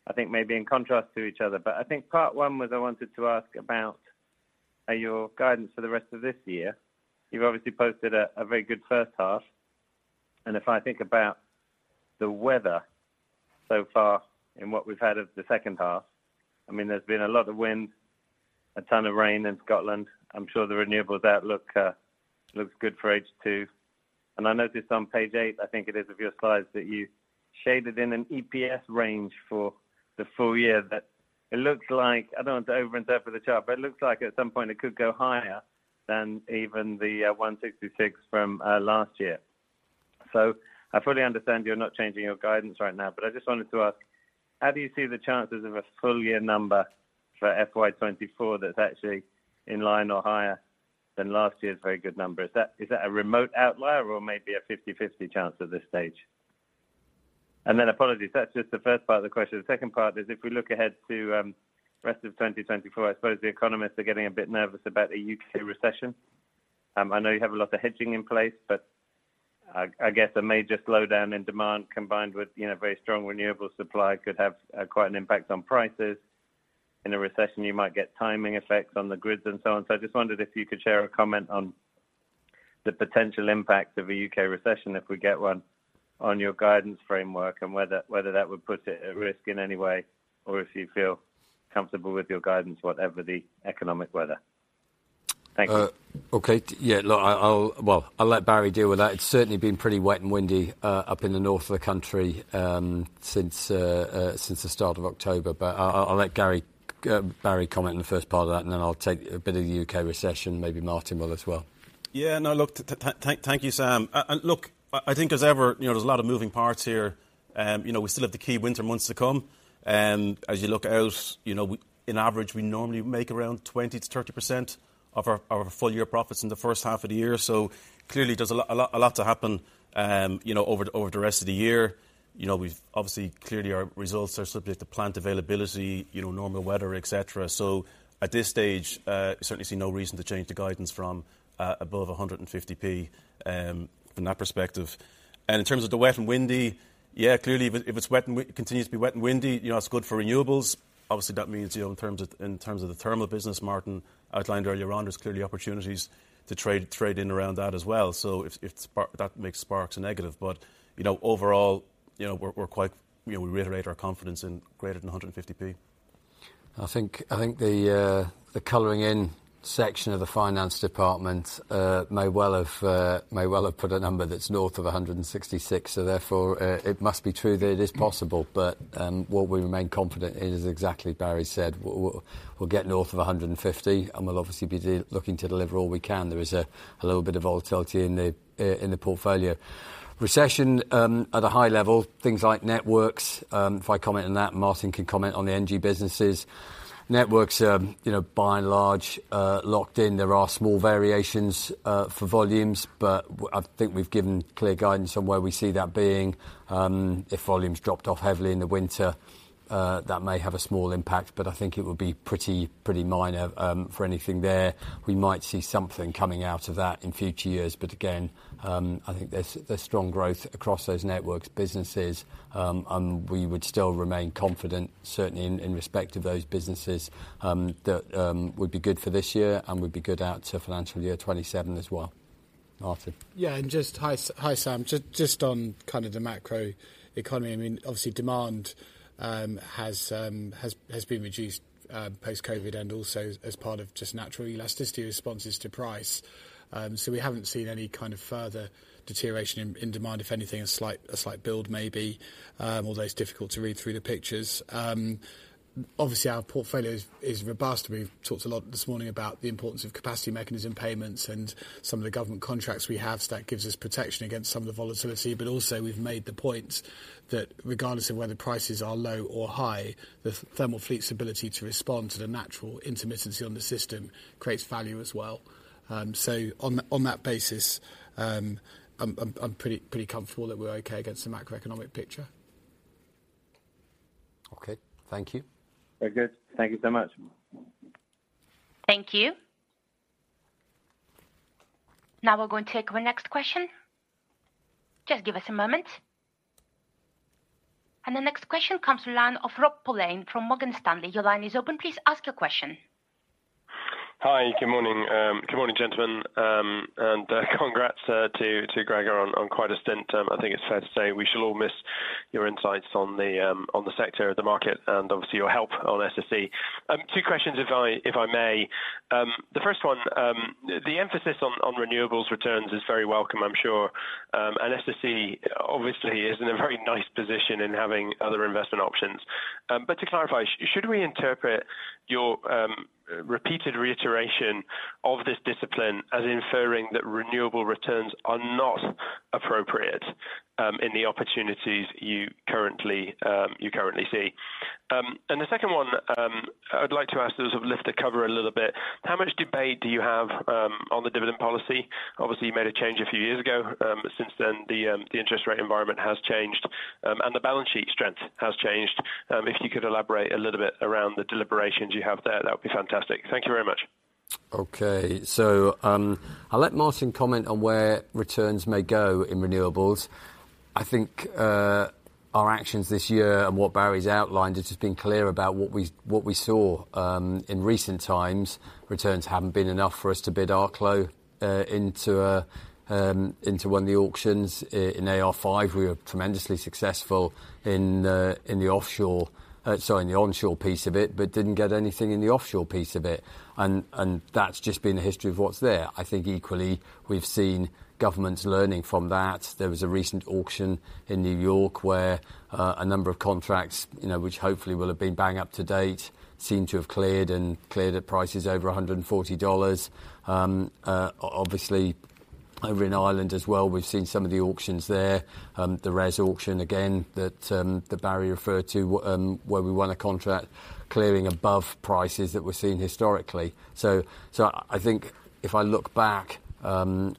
I think maybe in contrast to each other. I think part one was I wanted to ask about your guidance for the rest of this year. You've obviously posted a very good first half. And if I think about the weather so far in what we've had of the second half, I mean, there's been a lot of wind, a ton of rain in Scotland. I'm sure the renewables outlook looks good for H2. I noticed on page 8, I think it is of your slides, that you shaded in an EPS range for the full year that it looks like I don't want to over-interpret the chart, but it looks like at some point it could go higher than even the 166 from last year. So I fully understand you're not changing your guidance right now, but I just wanted to ask, how do you see the chances of a full-year number for FY24 that's actually in line or higher than last year's very good number? Is that a remote outlier or maybe a 50/50 chance at this stage? Then, apologies, that's just the first part of the question. The second part is if we look ahead to the rest of 2024, I suppose the economists are getting a bit nervous about a UK recession. I know you have a lot of hedging in place, but I guess a major slowdown in demand combined with very strong renewable supply could have quite an impact on prices. In a recession, you might get timing effects on the grids and so on. So I just wondered if you could share a comment on the potential impact of a UK recession, if we get one, on your guidance framework and whether that would put it at risk in any way or if you feel comfortable with your guidance, whatever the economic weather? Thank you.
Okay. Yeah. Look, well, I'll let Barry deal with that. It's certainly been pretty wet and windy up in the north of the country since the start of October, but I'll let Barry comment on the first part of that, and then I'll take a bit of the UK recession, maybe Martin will as well.
Yeah. No, look, thank you, Sam. And look, I think as ever, there's a lot of moving parts here. We still have the key winter months to come. As you look out, in average, we normally make around 20%-30% of our full-year profits in the first half of the year. So clearly, there's a lot to happen over the rest of the year. Obviously, clearly, our results are subject to plant availability, normal weather, etc. So at this stage, I certainly see no reason to change the guidance from above 150p from that perspective. And in terms of the wet and windy, yeah, clearly, if it continues to be wet and windy, that's good for renewables. Obviously, that means in terms of the thermal business Martin outlined earlier on, there's clearly opportunities to trade in around that as well. So that makes spark spreads a negative. Overall, we reiterate our confidence in greater than 150p.
I think the colouring-in section of the finance department may well have put a number that's north of 166. So therefore, it must be true that it is possible, but what we remain confident in is exactly what Barry said. We'll get north of 150, and we'll obviously be looking to deliver all we can. There is a little bit of volatility in the portfolio. Regardless at a high level, things like networks, if I comment on that, and Martin can comment on the Energy businesses. Networks, by and large, locked in. There are small variations for volumes, but I think we've given clear guidance on where we see that being. If volumes dropped off heavily in the winter, that may have a small impact, but I think it would be pretty minor for anything there. We might see something coming out of that in future years, but again, I think there's strong growth across those networks businesses, and we would still remain confident, certainly in respect of those businesses, that would be good for this year and would be good out to financial year 2027 as well. Martin.
Yeah. Just hi, Sam. Just on kind of the macro economy, I mean, obviously, demand has been reduced post-COVID and also as part of just natural elasticity responses to price. So we haven't seen any kind of further deterioration in demand, if anything, a slight build maybe, although it's difficult to read through the pictures. Obviously, our portfolio is robust. We've talked a lot this morning about the importance of Capacity Mechanism payments and some of the government contracts we have, so that gives us protection against some of the volatility. But also, we've made the point that regardless of whether prices are low or high, the thermal fleet's ability to respond to the natural intermittency on the system creates value as well. So on that basis, I'm pretty comfortable that we're okay against the macroeconomic picture.
Okay. Thank you.
Very good. Thank you so much.
Thank you. Now we're going to take our next question. Just give us a moment. The next question comes from the line of Rob Pulleyn from Morgan Stanley. Your line is open. Please ask your question.
Hi. Good morning. Good morning, gentlemen. And congrats to Gregor on quite a stint, I think it's fair to say. We shall all miss your insights on the sector, the market, and obviously your help on SSE. Two questions, if I may. The first one, the emphasis on renewables returns is very welcome, I'm sure. And SSE obviously is in a very nice position in having other investment options. But to clarify, should we interpret your repeated reiteration of this discipline as inferring that renewable returns are not appropriate in the opportunities you currently see? And the second one I'd like to ask to sort of lift the cover a little bit. How much debate do you have on the dividend policy? Obviously, you made a change a few years ago. Since then, the interest rate environment has changed, and the balance sheet strength has changed. If you could elaborate a little bit around the deliberations you have there, that would be fantastic. Thank you very much.
Okay. So I'll let Martin comment on where returns may go in renewables. I think our actions this year and what Barry's outlined, it's just been clear about what we saw in recent times. Returns haven't been enough for us to bid Arklow into one of the auctions. In AR5, we were tremendously successful in the offshore sorry, in the onshore piece of it, but didn't get anything in the offshore piece of it. That's just been the history of what's there. I think equally, we've seen governments learning from that. There was a recent auction in New York where a number of contracts, which hopefully will have been bang up to date, seem to have cleared and cleared at prices over $140.
Obviously, over in Ireland as well, we've seen some of the auctions there, the RESS auction, again, that Barry referred to, where we won a contract clearing above prices that we've seen historically. So I think if I look back,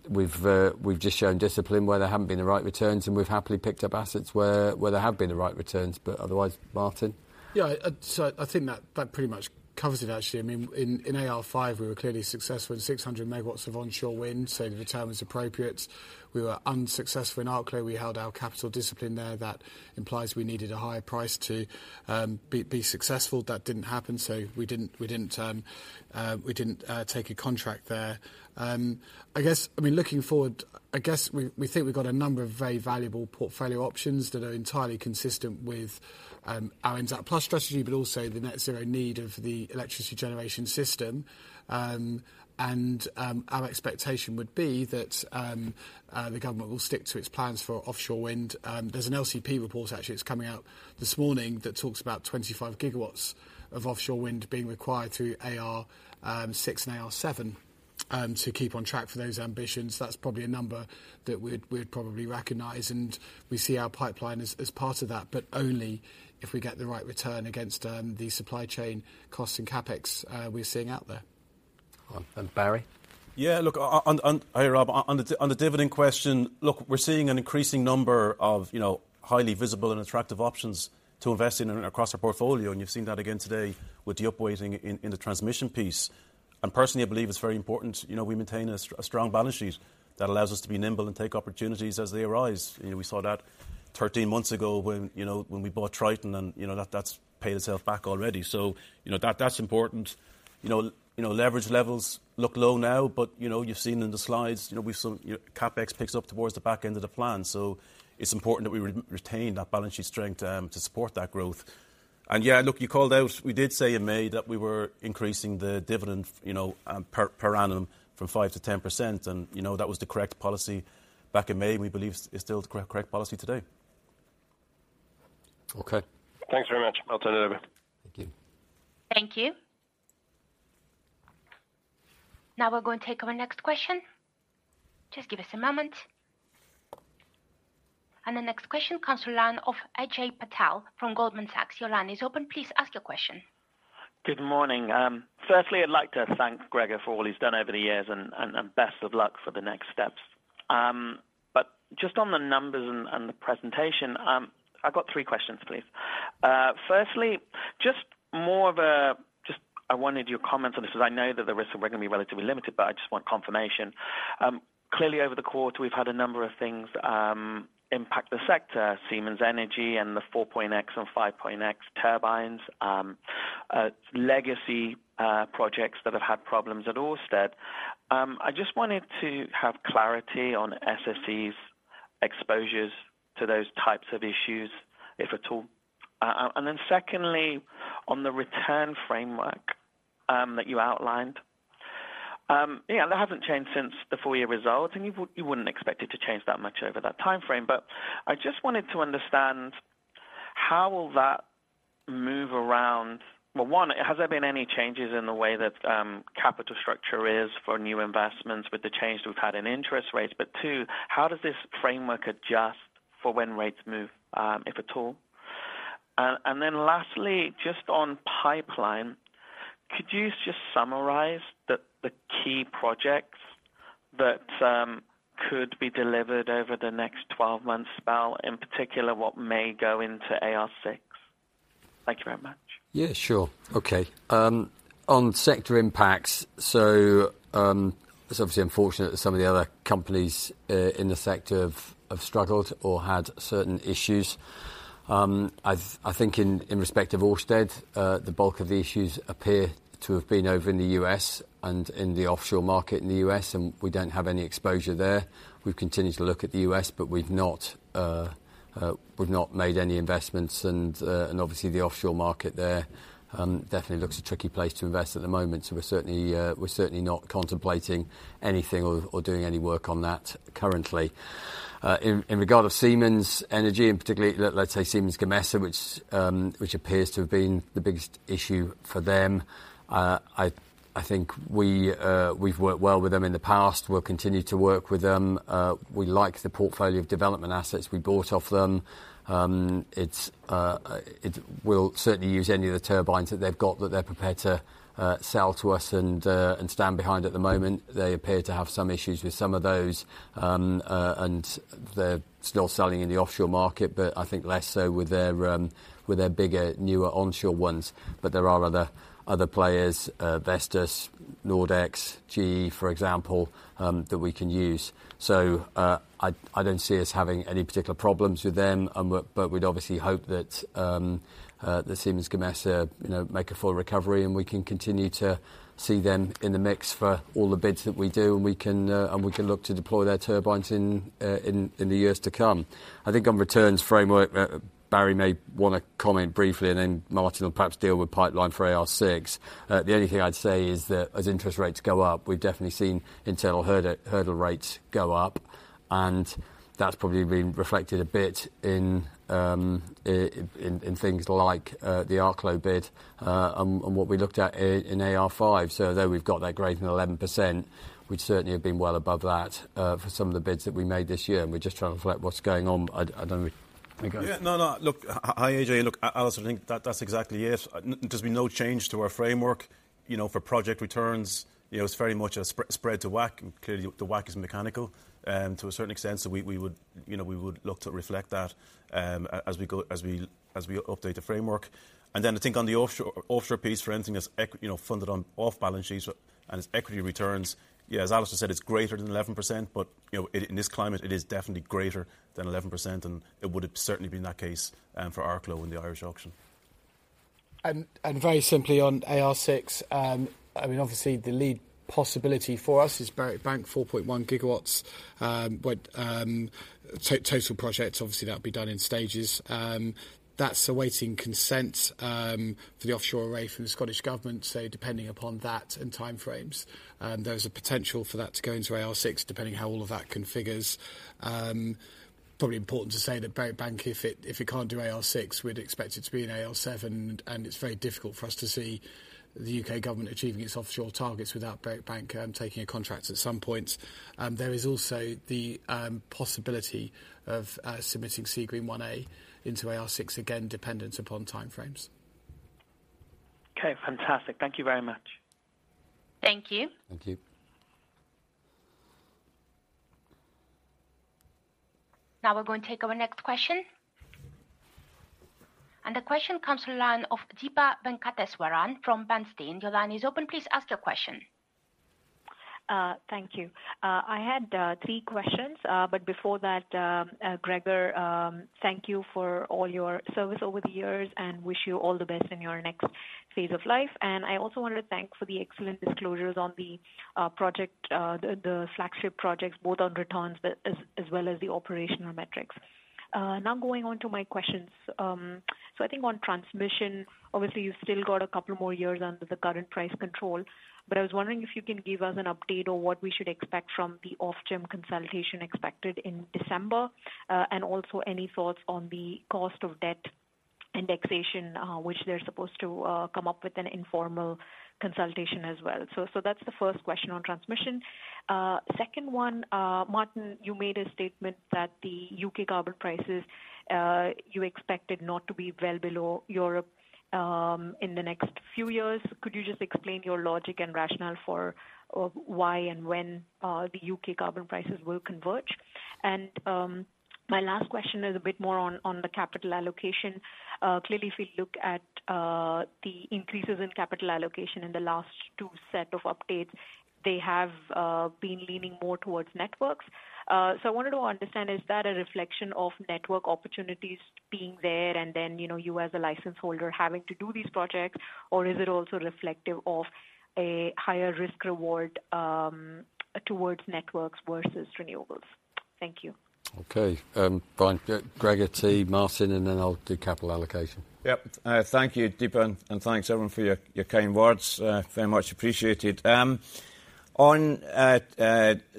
we've just shown discipline where there haven't been the right returns, and we've happily picked up assets where there have been the right returns. But otherwise, Martin?
Yeah. So I think that pretty much covers it, actually. I mean, in AR5, we were clearly successful in 600 MW of onshore wind, so the return was appropriate. We were unsuccessful in Arklow. We held our capital discipline there. That implies we needed a higher price to be successful. That didn't happen, so we didn't take a contract there. I mean, looking forward, I guess we think we've got a number of very valuable portfolio options that are entirely consistent with our NZAP+ strategy, but also the net-zero need of the electricity generation system. And our expectation would be that the government will stick to its plans for offshore wind. There's an LCP report, actually. It's coming out this morning that talks about 25 GW of offshore wind being required through AR6 and AR7 to keep on track for those ambitions. That's probably a number that we'd probably recognise. We see our pipeline as part of that, but only if we get the right return against the supply chain costs and CapEx we're seeing out there.
And Barry?
Yeah. Look, hey, Rob, on the dividend question, look, we're seeing an increasing number of highly visible and attractive options to invest in across our portfolio. And you've seen that again today with the upweighting in the transmission piece. And personally, I believe it's very important we maintain a strong balance sheet that allows us to be nimble and take opportunities as they arise. We saw that 13 months ago when we bought Triton, and that's paid itself back already. So that's important. Leverage levels look low now, but you've seen in the slides, CapEx picks up towards the back end of the plan. So it's important that we retain that balance sheet strength to support that growth. And yeah, look, you called out we did say in May that we were increasing the dividend per annum from 5%-10%.
That was the correct policy back in May, and we believe it's still the correct policy today.
Okay.
Thanks very much. I'll turn it over.
Thank you.
Thank you. Now we're going to take our next question. Just give us a moment. The next question comes from the line of Ajay Patel from Goldman Sachs. Your line is open. Please ask your question.
Good morning. Firstly, I'd like to thank Gregor for all he's done over the years, and best of luck for the next steps. But just on the numbers and the presentation, I've got three questions, please. Firstly, just more of a just I wanted your comments on this because I know that the risks are going to be relatively limited, but I just want confirmation. Clearly, over the quarter, we've had a number of things impact the sector, Siemens Energy and the 4.X and 5.X turbines, legacy projects that have had problems at Ørsted. I just wanted to have clarity on SSE's exposures to those types of issues, if at all. And then secondly, on the return framework that you outlined, yeah, that hasn't changed since the full-year results, and you wouldn't expect it to change that much over that timeframe. But I just wanted to understand how that will move around. Well, one, has there been any changes in the way that capital structure is for new investments with the change that we've had in interest rates? But two, how does this framework adjust for when rates move, if at all? And then lastly, just on pipeline, could you just summarize the key projects that could be delivered over the next 12 months, especially in particular what may go into AR6? Thank you very much.
Yeah. Sure. Okay. On sector impacts, so it's obviously unfortunate that some of the other companies in the sector have struggled or had certain issues. I think in respect of Ørsted, the bulk of the issues appear to have been over in the U.S. and in the offshore market in the U.S., and we don't have any exposure there. We've continued to look at the U.S., but we've not made any investments. And obviously, the offshore market there definitely looks a tricky place to invest at the moment. So we're certainly not contemplating anything or doing any work on that currently. In regard to Siemens Energy, and particularly, let's say, Siemens Gamesa, which appears to have been the biggest issue for them, I think we've worked well with them in the past. We'll continue to work with them. We like the portfolio of development assets we bought off them. We'll certainly use any of the turbines that they've got that they're prepared to sell to us and stand behind at the moment. They appear to have some issues with some of those, and they're still selling in the offshore market, but I think less so with their bigger, newer onshore ones. But there are other players, Vestas, Nordex, GE, for example, that we can use. So I don't see us having any particular problems with them, but we'd obviously hope that Siemens Gamesa make a full recovery, and we can continue to see them in the mix for all the bids that we do, and we can look to deploy their turbines in the years to come. I think on returns framework, Barry may want to comment briefly, and then Martin will perhaps deal with pipeline for AR6. The only thing I'd say is that as interest rates go up, we've definitely seen internal hurdle rates go up, and that's probably been reflected a bit in things like the Arklow bid and what we looked at in AR5. So although we've got that growth in 11%, we'd certainly have been well above that for some of the bids that we made this year. And we're just trying to reflect what's going on. I don't know.
Yeah. No, no. Look, AJ, look, Alistair, I think that's exactly it. There's been no change to our framework for project returns. It's very much a spread to WACC. Clearly, the WACC is mechanical to a certain extent. So we would look to reflect that as we update the framework. And then I think on the offshore piece, for anything that's funded on off-balance sheet and its equity returns, yeah, as Alistair on said, it's greater than 11%, but in this climate, it is definitely greater than 11%, and it would have certainly been that case for Arklow in the Irish auction. And very simply on AR6, I mean, obviously, the lead possibility for us is Berwick Bank 4.1 GW. Total projects, obviously, that'll be done in stages. That's awaiting consent for the offshore array from the Scottish government. So depending upon that and timeframes, there is a potential for that to go into AR6, depending how all of that configures. Probably important to say that Berwick Bank, if it can't do AR6, we'd expect it to be in AR7, and it's very difficult for us to see the UK government achieving its offshore targets without Berwick Bank taking a contract at some point. There is also the possibility of submitting Seagreen 1A into AR6 again, dependent upon timeframes.
Okay. Fantastic. Thank you very much.
Thank you.
Thank you.
Now we're going to take our next question. The question comes from the line of Deepa Venkateswaran from Bernstein. Your line is open. Please ask your question.
Thank you. I had three questions. But before that, Gregor, thank you for all your service over the years and wish you all the best in your next phase of life. And I also wanted to thank for the excellent disclosures on the project, the flagship projects, both on returns as well as the operational metrics. Now going on to my questions. So I think on transmission, obviously, you've still got a couple more years under the current price control, but I was wondering if you can give us an update on what we should expect from the Ofgem consultation expected in December, and also any thoughts on the cost of debt indexation, which they're supposed to come up with an informal consultation as well. So that's the first question on transmission. Second one, Martin, you made a statement that the UK carbon prices you expected not to be well below Europe in the next few years. Could you just explain your logic and rationale for why and when the UK carbon prices will converge? And my last question is a bit more on the capital allocation. Clearly, if you look at the increases in capital allocation in the last two set of updates, they have been leaning more towards networks. So I wanted to understand, is that a reflection of network opportunities being there and then you as a licenseholder having to do these projects, or is it also reflective of a higher risk-reward towards networks versus renewables? Thank you.
Okay. Fine. Gregor, then Martin, and then I'll do capital allocation.
Yep. Thank you, Deepa, and thanks, everyone, for your kind words. Very much appreciated. On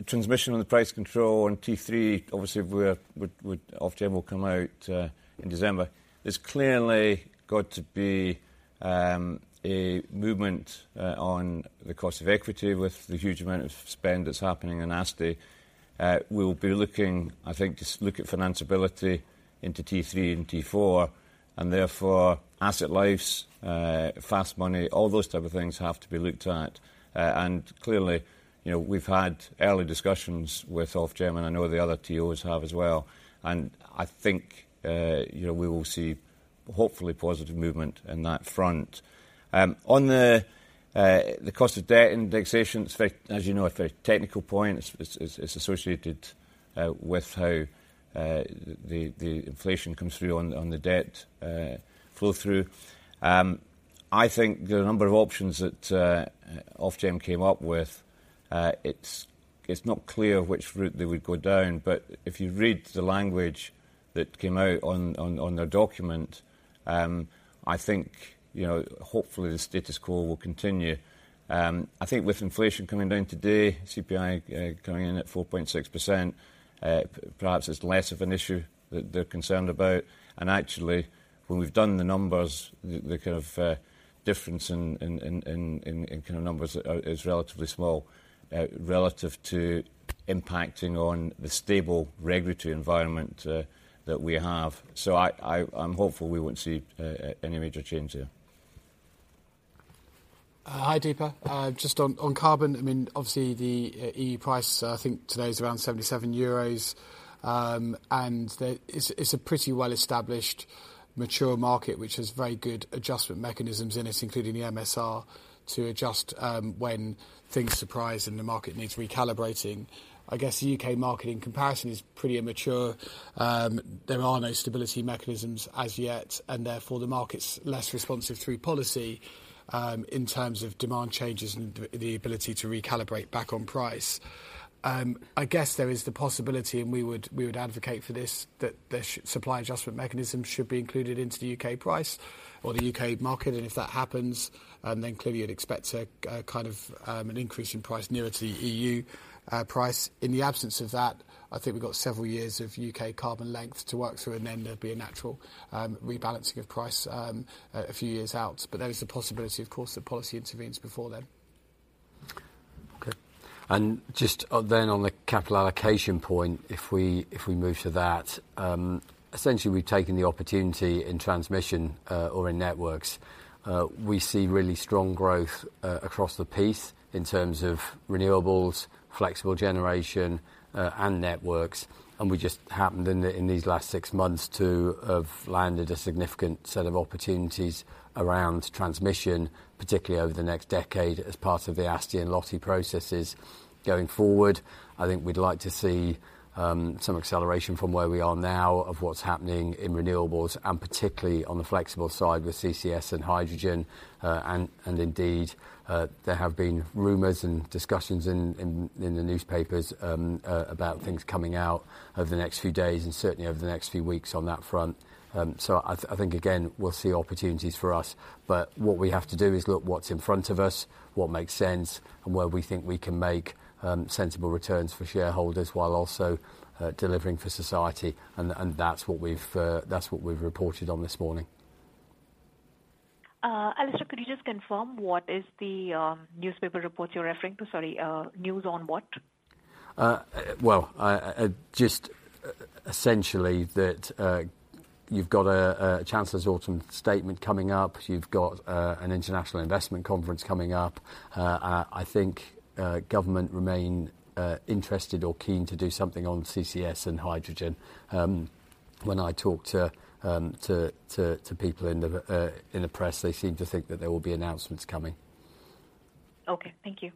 transmission and the price control on T3, obviously, Ofgem will come out in December. There's clearly got to be a movement on the cost of equity with the huge amount of spend that's happening in ASTI. We'll be looking, I think, just look at financiability into T3 and T4, and therefore, asset lives, fast money, all those type of things have to be looked at. And clearly, we've had early discussions with Ofgem, and I know the other TOs have as well. And I think we will see, hopefully, positive movement in that front. On the cost of debt indexation, as you know, a very technical point, it's associated with how the inflation comes through on the debt flow-through. I think there are a number of options that Ofgem came up with. It's not clear which route they would go down, but if you read the language that came out on their document, I think hopefully, the status quo will continue. I think with inflation coming down today, CPI coming in at 4.6%, perhaps it's less of an issue that they're concerned about. And actually, when we've done the numbers, the kind of difference in kind of numbers is relatively small relative to impacting on the stable regulatory environment that we have. So I'm hopeful we won't see any major change there.
Hi, Deepa. Just on carbon, I mean, obviously, the EU price, I think today's around EUR 77. And it's a pretty well-established, mature market, which has very good adjustment mechanisms in it, including the MSR, to adjust when things surprise and the market needs recalibrating. I guess the UK market in comparison is pretty immature. There are no stability mechanisms as yet, and therefore, the market's less responsive through policy in terms of demand changes and the ability to recalibrate back on price. I guess there is the possibility, and we would advocate for this, that supply adjustment mechanisms should be included into the UK price or the UK market. And if that happens, then clearly, you'd expect kind of an increase in price nearer to the EU price. In the absence of that, I think we've got several years of UK carbon length to work through, and then there'd be a natural rebalancing of price a few years out. But there is the possibility, of course, that policy intervenes before then.
Okay. And just then on the capital allocation point, if we move to that, essentially, we've taken the opportunity in transmission or in networks. We see really strong growth across the piece in terms of renewables, flexible generation, and networks. And we just happened in these last six months to have landed a significant set of opportunities around transmission, particularly over the next decade as part of the ASTI and LOTI processes going forward. I think we'd like to see some acceleration from where we are now of what's happening in renewables, and particularly on the flexible side with CCS and hydrogen. And indeed, there have been rumours and discussions in the newspapers about things coming out over the next few days and certainly over the next few weeks on that front. So I think, again, we'll see opportunities for us. But what we have to do is look what's in front of us, what makes sense, and where we think we can make sensible returns for shareholders while also delivering for society. That's what we've reported on this morning.
Alistair, could you just confirm what is the newspaper report you're referring to? Sorry, news on what?
Well, just essentially that you've got a Chancellor's Autumn Statement coming up. You've got an international investment conference coming up. I think government remain interested or keen to do something on CCS and hydrogen. When I talk to people in the press, they seem to think that there will be announcements coming.
Okay. Thank you.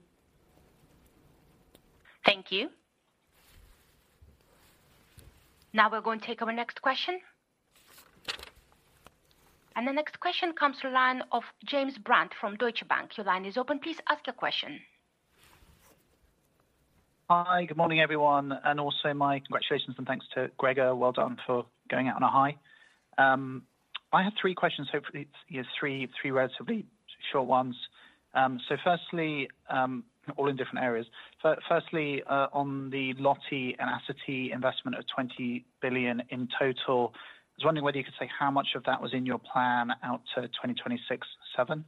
Thank you. Now we're going to take our next question. The next question comes from the line of James Brand from Deutsche Bank. Your line is open. Please ask your question.
Hi. Good morning, everyone. And also my congratulations and thanks to Gregor. Well done for going out on a high. I have three questions, hopefully, three relatively short ones. So firstly, all in different areas. Firstly, on the LOTI and ASTI investment of 20 billion in total, I was wondering whether you could say how much of that was in your plan out to 2026/7.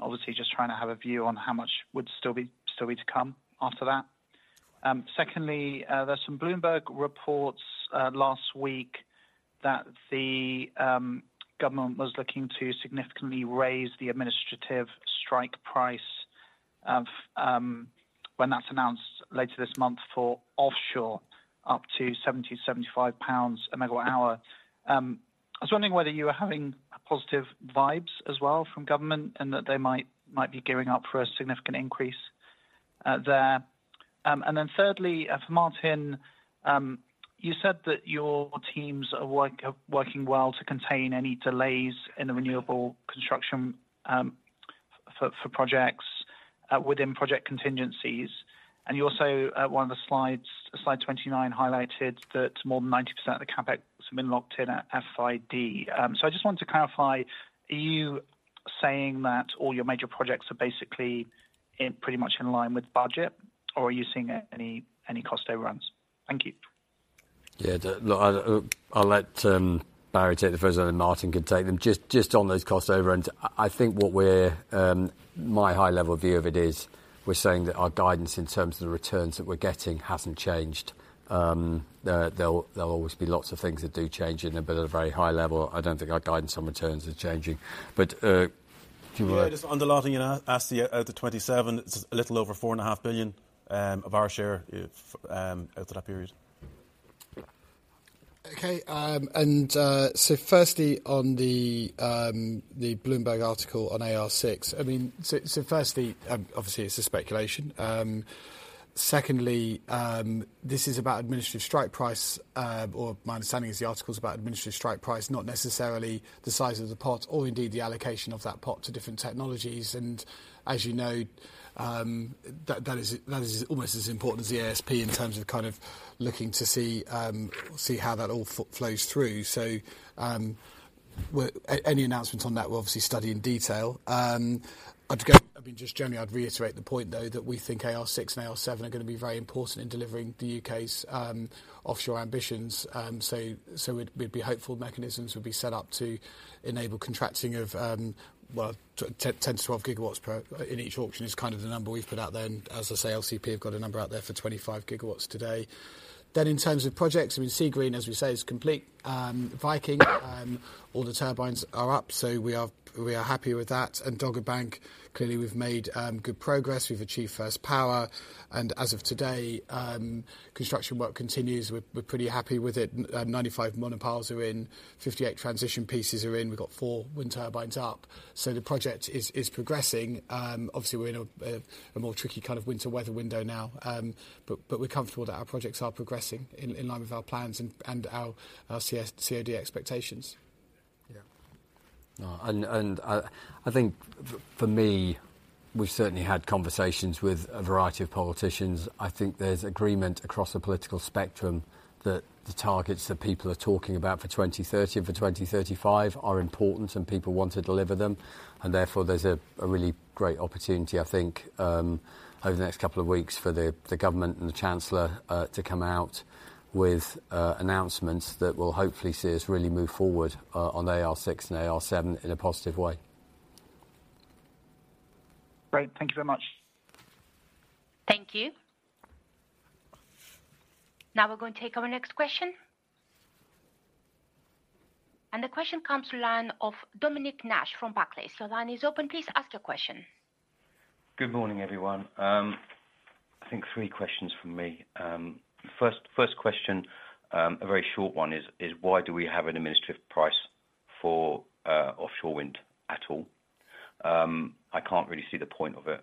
Obviously, just trying to have a view on how much would still be to come after that. Secondly, there's some Bloomberg reports last week that the government was looking to significantly raise the administrative strike price when that's announced later this month for offshore up to 70 pounds, 75 pounds a megawatt-hour. I was wondering whether you were having positive vibes as well from government and that they might be gearing up for a significant increase there. And then thirdly, for Martin, you said that your teams are working well to contain any delays in the renewable construction for projects within project contingencies. And also, one of the slides, slide 29, highlighted that more than 90% of the CapEx have been locked in at FID. So I just wanted to clarify, are you saying that all your major projects are basically pretty much in line with budget, or are you seeing any cost overruns? Thank you.
Yeah. Look, I'll let Barry take the first one, and Martin can take them. Just on those cost overruns, I think what my high-level view of it is, we're saying that our guidance in terms of the returns that we're getting hasn't changed. There'll always be lots of things that do change in a bit of a very high level. I don't think our guidance on returns is changing. But do you want to?
Yeah. Just underlining in ASDE out to 2027, it's a little over 4.5 billion of our share out to that period. Okay. And so firstly, on the Bloomberg article on AR6, I mean, so firstly, obviously, it's a speculation. Secondly, this is about administrative strike price, or my understanding is the article's about administrative strike price, not necessarily the size of the pot or indeed the allocation of that pot to different technologies. And as you know, that is almost as important as the ASP in terms of kind of looking to see how that all flows through. So any announcements on that, we'll obviously study in detail. I mean, just generally, I'd reiterate the point, though, that we think AR6 and AR7 are going to be very important in delivering the U.K.'s offshore ambitions. So we'd be hopeful mechanisms would be set up to enable contracting of, well, 10-12 gigawatts per in each auction is kind of the number we've put out there. And as I say, LCP have got a number out there for 25 gigawatts today. Then in terms of projects, I mean, Seagreen, as we say, is complete. Viking, all the turbines are up, so we are happy with that. And Dogger Bank, clearly, we've made good progress. We've achieved First Power. And as of today, construction work continues. We're pretty happy with it. 95 monopiles are in. 58 transition pieces are in. We've got 4 wind turbines up. So the project is progressing. Obviously, we're in a more tricky kind of winter-weather window now, but we're comfortable that our projects are progressing in line with our plans and our COD expectations. Yeah.
I think for me, we've certainly had conversations with a variety of politicians. I think there's agreement across the political spectrum that the targets that people are talking about for 2030 and for 2035 are important, and people want to deliver them. And therefore, there's a really great opportunity, I think, over the next couple of weeks for the government and the Chancellor to come out with announcements that will hopefully see us really move forward on AR6 and AR7 in a positive way.
Great. Thank you very much.
Thank you. Now we're going to take our next question. The question comes from the line of Dominic Nash from Barclays. Your line is open. Please ask your question.
Good morning, everyone. I think 3 questions from me. First question, a very short one, is why do we have an administrative price for offshore wind at all? I can't really see the point of it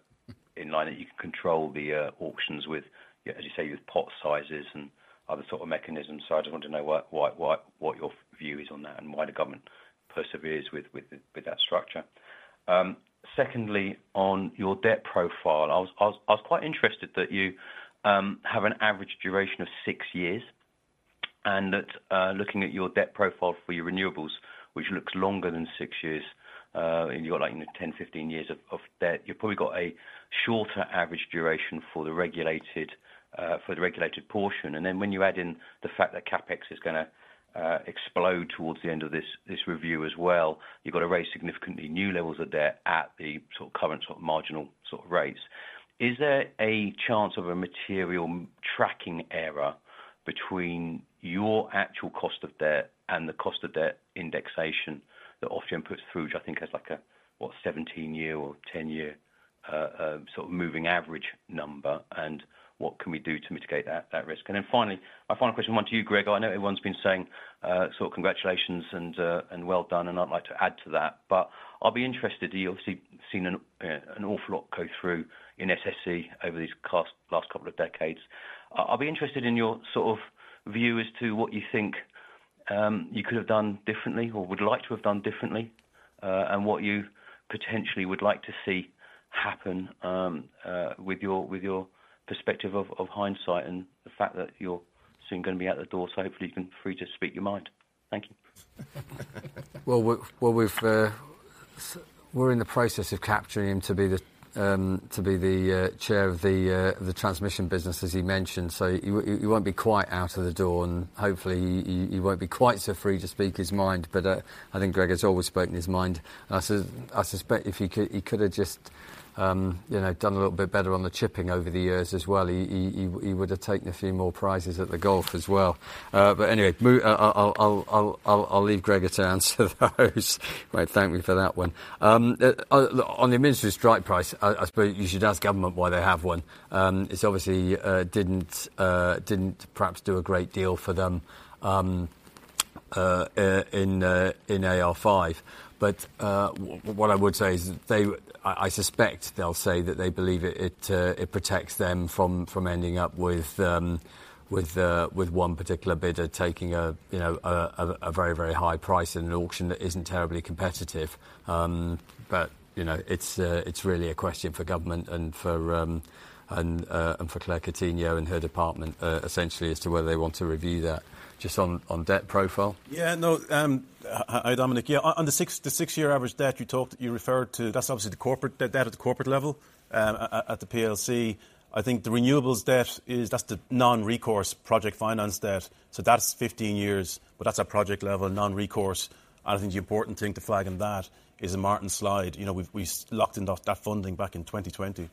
in line that you can control the auctions with, as you say, with pot sizes and other sort of mechanisms. So I just wanted to know what your view is on that and why the government perseveres with that structure. Secondly, on your debt profile, I was quite interested that you have an average duration of 6 years. And looking at your debt profile for your renewables, which looks longer than 6 years, and you've got like 10, 15 years of debt, you've probably got a shorter average duration for the regulated portion. And then when you add in the fact that CapEx is going to explode towards the end of this review as well, you've got to raise significantly new levels of debt at the sort of current sort of marginal sort of rates. Is there a chance of a material tracking error between your actual cost of debt and the cost of debt indexation that Ofgem puts through, which I think has like a, what, 17-year or 10-year sort of moving average number? And what can we do to mitigate that risk? And then finally, my final question, one to you, Gregor. I know everyone's been saying sort of congratulations and well done, and I'd like to add to that. But I'll be interested you've obviously seen an awful lot go through in SSE over these last couple of decades. I'll be interested in your sort of view as to what you think you could have done differently or would like to have done differently and what you potentially would like to see happen with your perspective of hindsight and the fact that you're soon going to be out the door. So hopefully, you can free to speak your mind. Thank you.
Well, we're in the process of capturing him to be the chair of the transmission business, as he mentioned. So he won't be quite out of the door, and hopefully, he won't be quite so free to speak his mind. But I think Gregor's always spoken his mind. I suspect if he could have just done a little bit better on the chipping over the years as well, he would have taken a few more prizes at the golf as well. But anyway, I'll leave Gregor to answer those. Great. Thank you for that one. On the administrative strike price, I suppose you should ask government why they have one. It obviously didn't perhaps do a great deal for them in AR5. But what I would say is I suspect they'll say that they believe it protects them from ending up with one particular bidder taking a very, very high price in an auction that isn't terribly competitive. But it's really a question for government and for Claire Coutinho and her department, essentially, as to whether they want to review that just on debt profile.
Yeah. No, hi Dominic. Yeah. On the 6-year average debt, you referred to that's obviously the debt at the corporate level. At the PLC, I think the renewables debt is that's the non-recourse project finance debt. So that's 15 years, but that's at project level, non-recourse. And I think the important thing to flag on that is in Martin's slide, we locked in that funding back in 2020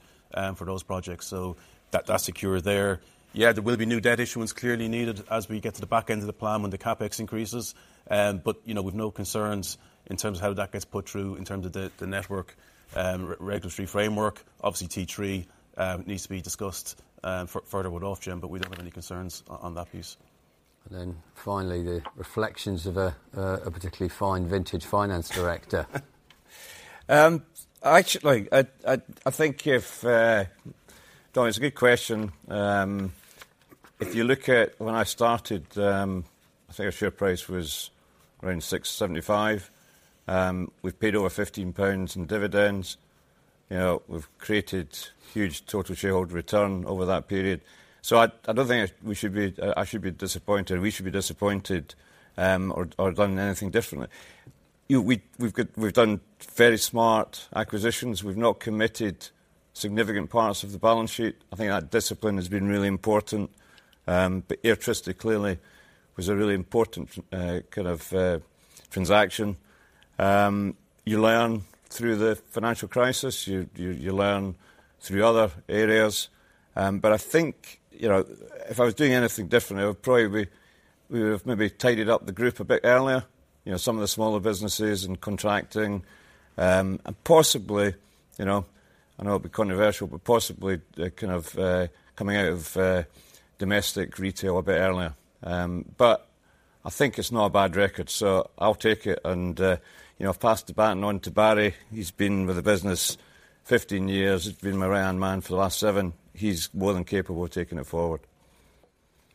for those projects. So that's secure there. Yeah, there will be new debt issuance clearly needed as we get to the back end of the plan when the CapEx increases. But we've no concerns in terms of how that gets put through in terms of the network regulatory framework. Obviously, T3 needs to be discussed further with Ofgem, but we don't have any concerns on that piece.
Then finally, the reflections of a particularly fine vintage finance director.
Actually, I think, Dom, it's a good question. If you look at when I started, I think our share price was around 6.75. We've paid over 15 pounds in dividends. We've created huge total shareholder return over that period. So I don't think we should be. I should be disappointed. We should be disappointed or done anything differently. We've done very smart acquisitions. We've not committed significant parts of the balance sheet. I think that discipline has been really important. But Airtricity, clearly, was a really important kind of transaction. You learn through the financial crisis. You learn through other areas. But I think if I was doing anything different, it would probably be we would have maybe tidied up the group a bit earlier, some of the smaller businesses and contracting. And possibly, I know it'll be controversial, but possibly kind of coming out of domestic retail a bit earlier. But I think it's not a bad record. So I'll take it. And I've passed the baton on to Barry. He's been with the business 15 years. He's been my right-hand man for the last 7. He's more than capable of taking it forward.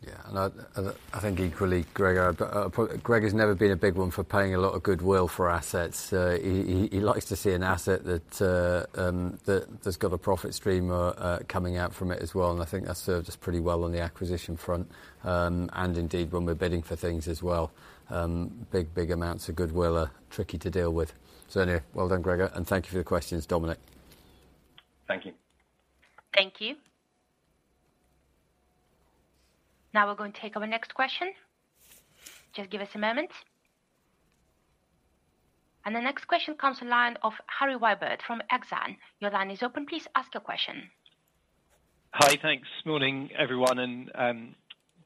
Yeah. I think equally, Gregor, Gregor's never been a big one for paying a lot of goodwill for assets. He likes to see an asset that's got a profit stream coming out from it as well. I think that served us pretty well on the acquisition front. Indeed, when we're bidding for things as well, big, big amounts of goodwill are tricky to deal with. So anyway, well done, Gregor. Thank you for the questions, Dominic.
Thank you.
Thank you. Now we're going to take our next question. Just give us a moment. The next question comes from the line of Harry Wyburd from Exane BNP Paribas. Your line is open. Please ask your question.
Hi. Thanks. Good morning, everyone.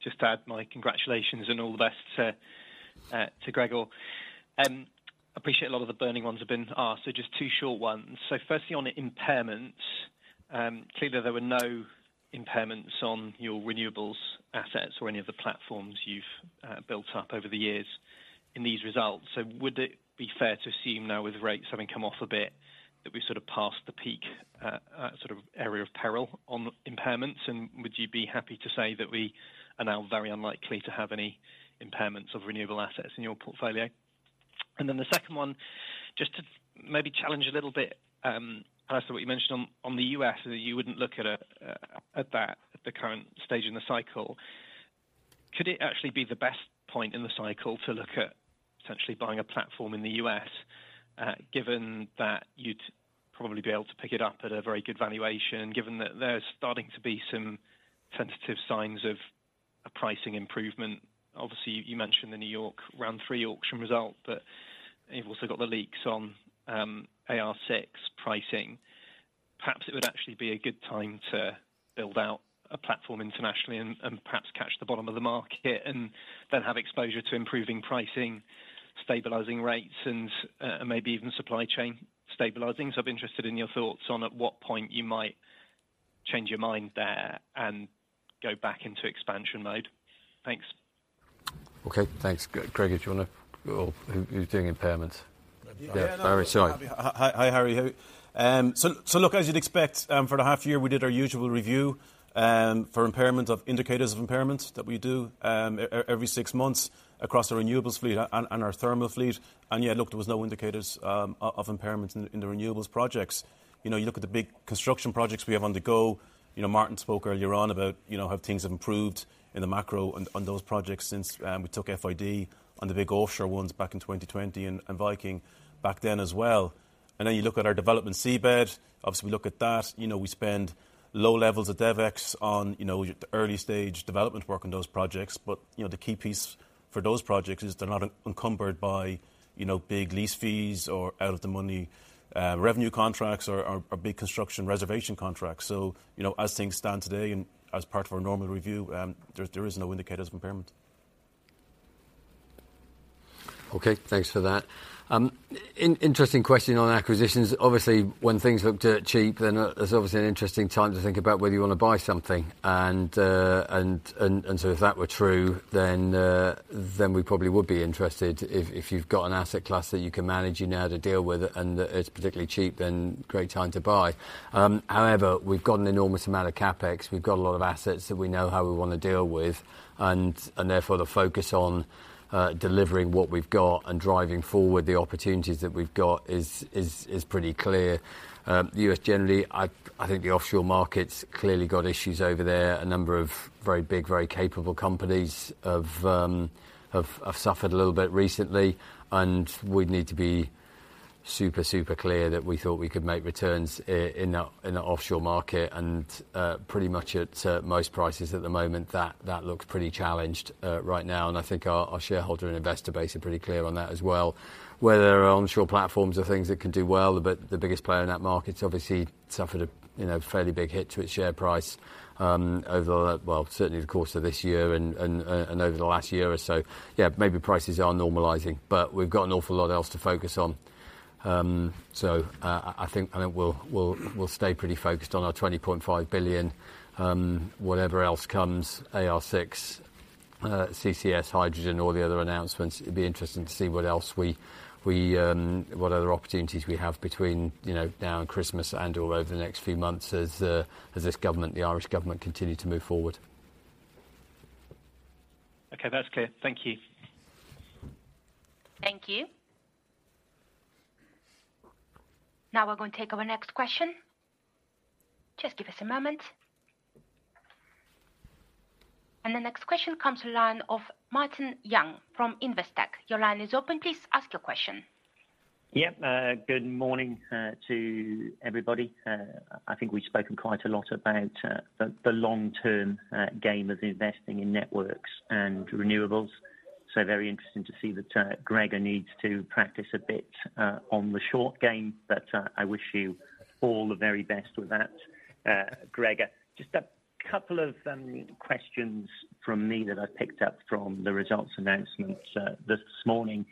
Just to add my congratulations and all the best to Gregor. I appreciate a lot of the burning ones have been asked. Just two short ones. Firstly, on impairments, clearly, there were no impairments on your renewables assets or any of the platforms you've built up over the years in these results. Would it be fair to assume now, with rates having come off a bit, that we've sort of passed the peak sort of area of peril on impairments? And would you be happy to say that we are now very unlikely to have any impairments of renewable assets in your portfolio? And then the second one, just to maybe challenge a little bit as to what you mentioned on the US, that you wouldn't look at that at the current stage in the cycle, could it actually be the best point in the cycle to look at potentially buying a platform in the US, given that you'd probably be able to pick it up at a very good valuation, given that there's starting to be some sensitive signs of a pricing improvement? Obviously, you mentioned the New York round 3 auction result, but you've also got the leaks on AR6 pricing. Perhaps it would actually be a good time to build out a platform internationally and perhaps catch the bottom of the market and then have exposure to improving pricing, stabilizing rates, and maybe even supply chain stabilizing. I'm interested in your thoughts on at what point you might change your mind there and go back into expansion mode. Thanks.
Okay. Thanks. Gregor, do you want to go? Who's doing impairments? Yeah. Barry. Sorry.
Hi, Harry. So look, as you'd expect, for the half year, we did our usual review for impairments of indicators of impairments that we do every six months across our renewables fleet and our thermal fleet. And yeah, look, there was no indicators of impairments in the renewables projects. You look at the big construction projects we have undergo. Martin spoke earlier on about how things have improved in the macro on those projects since we took FID on the big offshore ones back in 2020 and Viking back then as well. And then you look at our development seabed. Obviously, we look at that. We spend low levels of DevEx on the early-stage development work on those projects. But the key piece for those projects is they're not unencumbered by big lease fees or out-of-the-money revenue contracts or big construction reservation contracts. As things stand today and as part of our normal review, there is no indicator of impairment.
Okay. Thanks for that. Interesting question on acquisitions. Obviously, when things look too cheap, then it's obviously an interesting time to think about whether you want to buy something. And so if that were true, then we probably would be interested. If you've got an asset class that you can manage, you know how to deal with it, and it's particularly cheap, then great time to buy. However, we've got an enormous amount of CapEx. We've got a lot of assets that we know how we want to deal with. And therefore, the focus on delivering what we've got and driving forward the opportunities that we've got is pretty clear. U.S. generally, I think the offshore market's clearly got issues over there. A number of very big, very capable companies have suffered a little bit recently. We'd need to be super, super clear that we thought we could make returns in the offshore market. Pretty much at most prices at the moment, that looks pretty challenged right now. I think our shareholder and investor base are pretty clear on that as well. Whether onshore platforms are things that can do well, the biggest player in that market's obviously suffered a fairly big hit to its share price over the well, certainly the course of this year and over the last year or so. Yeah, maybe prices are normalizing, but we've got an awful lot else to focus on. I think we'll stay pretty focused on our 20.5 billion, whatever else comes, AR6, CCS, hydrogen, all the other announcements. It'd be interesting to see what other opportunities we have between now and Christmas and all over the next few months as this government, the Irish government, continue to move forward.
Okay. That's clear. Thank you.
Thank you. Now we're going to take our next question. Just give us a moment. The next question comes from Martin Young from Investec. Your line is open. Please ask your question.
Yep. Good morning to everybody. I think we've spoken quite a lot about the long-term game of investing in networks and renewables. So very interesting to see that Gregor needs to practice a bit on the short game. But I wish you all the very best with that, Gregor. Just a couple of questions from me that I picked up from the results announcements this morning.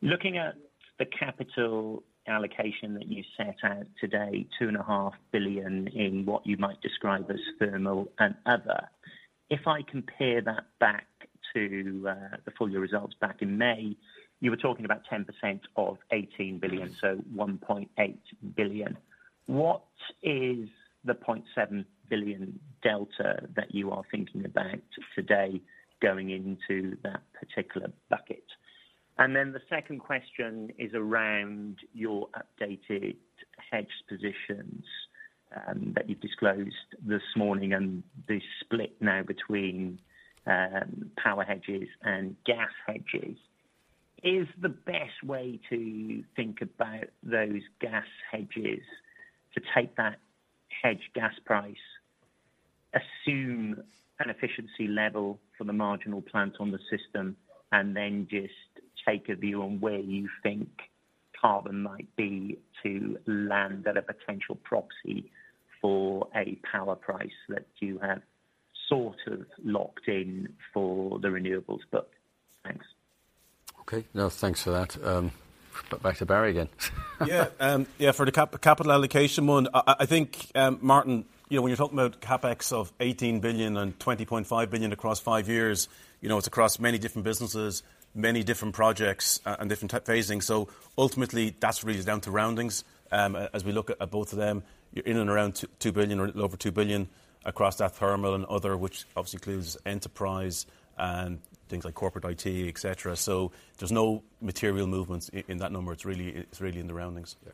Looking at the capital allocation that you set out today, 2.5 billion in what you might describe as thermal and other, if I compare that back to the full year results back in May, you were talking about 10% of 18 billion, so 1.8 billion. What is the 0.7 billion delta that you are thinking about today going into that particular bucket? And then the second question is around your updated hedge positions that you've disclosed this morning and the split now between power hedges and gas hedges. Is the best way to think about those gas hedges, to take that hedge gas price, assume an efficiency level for the marginal plant on the system, and then just take a view on where you think carbon might be to land at a potential proxy for a power price that you have sort of locked in for the renewables book? Thanks.
Okay. No, thanks for that. Back to Barry again.
Yeah. Yeah. For the capital allocation one, I think, Martin, when you're talking about CapEx of 18 billion and 20.5 billion across 5 years, it's across many different businesses, many different projects, and different phasing. So ultimately, that's really down to roundings. As we look at both of them, you're in and around 2 billion or a little over 2 billion across that thermal and other, which obviously includes Enterprise and things like corporate IT, etc. So there's no material movements in that number. It's really in the roundings.
Yeah.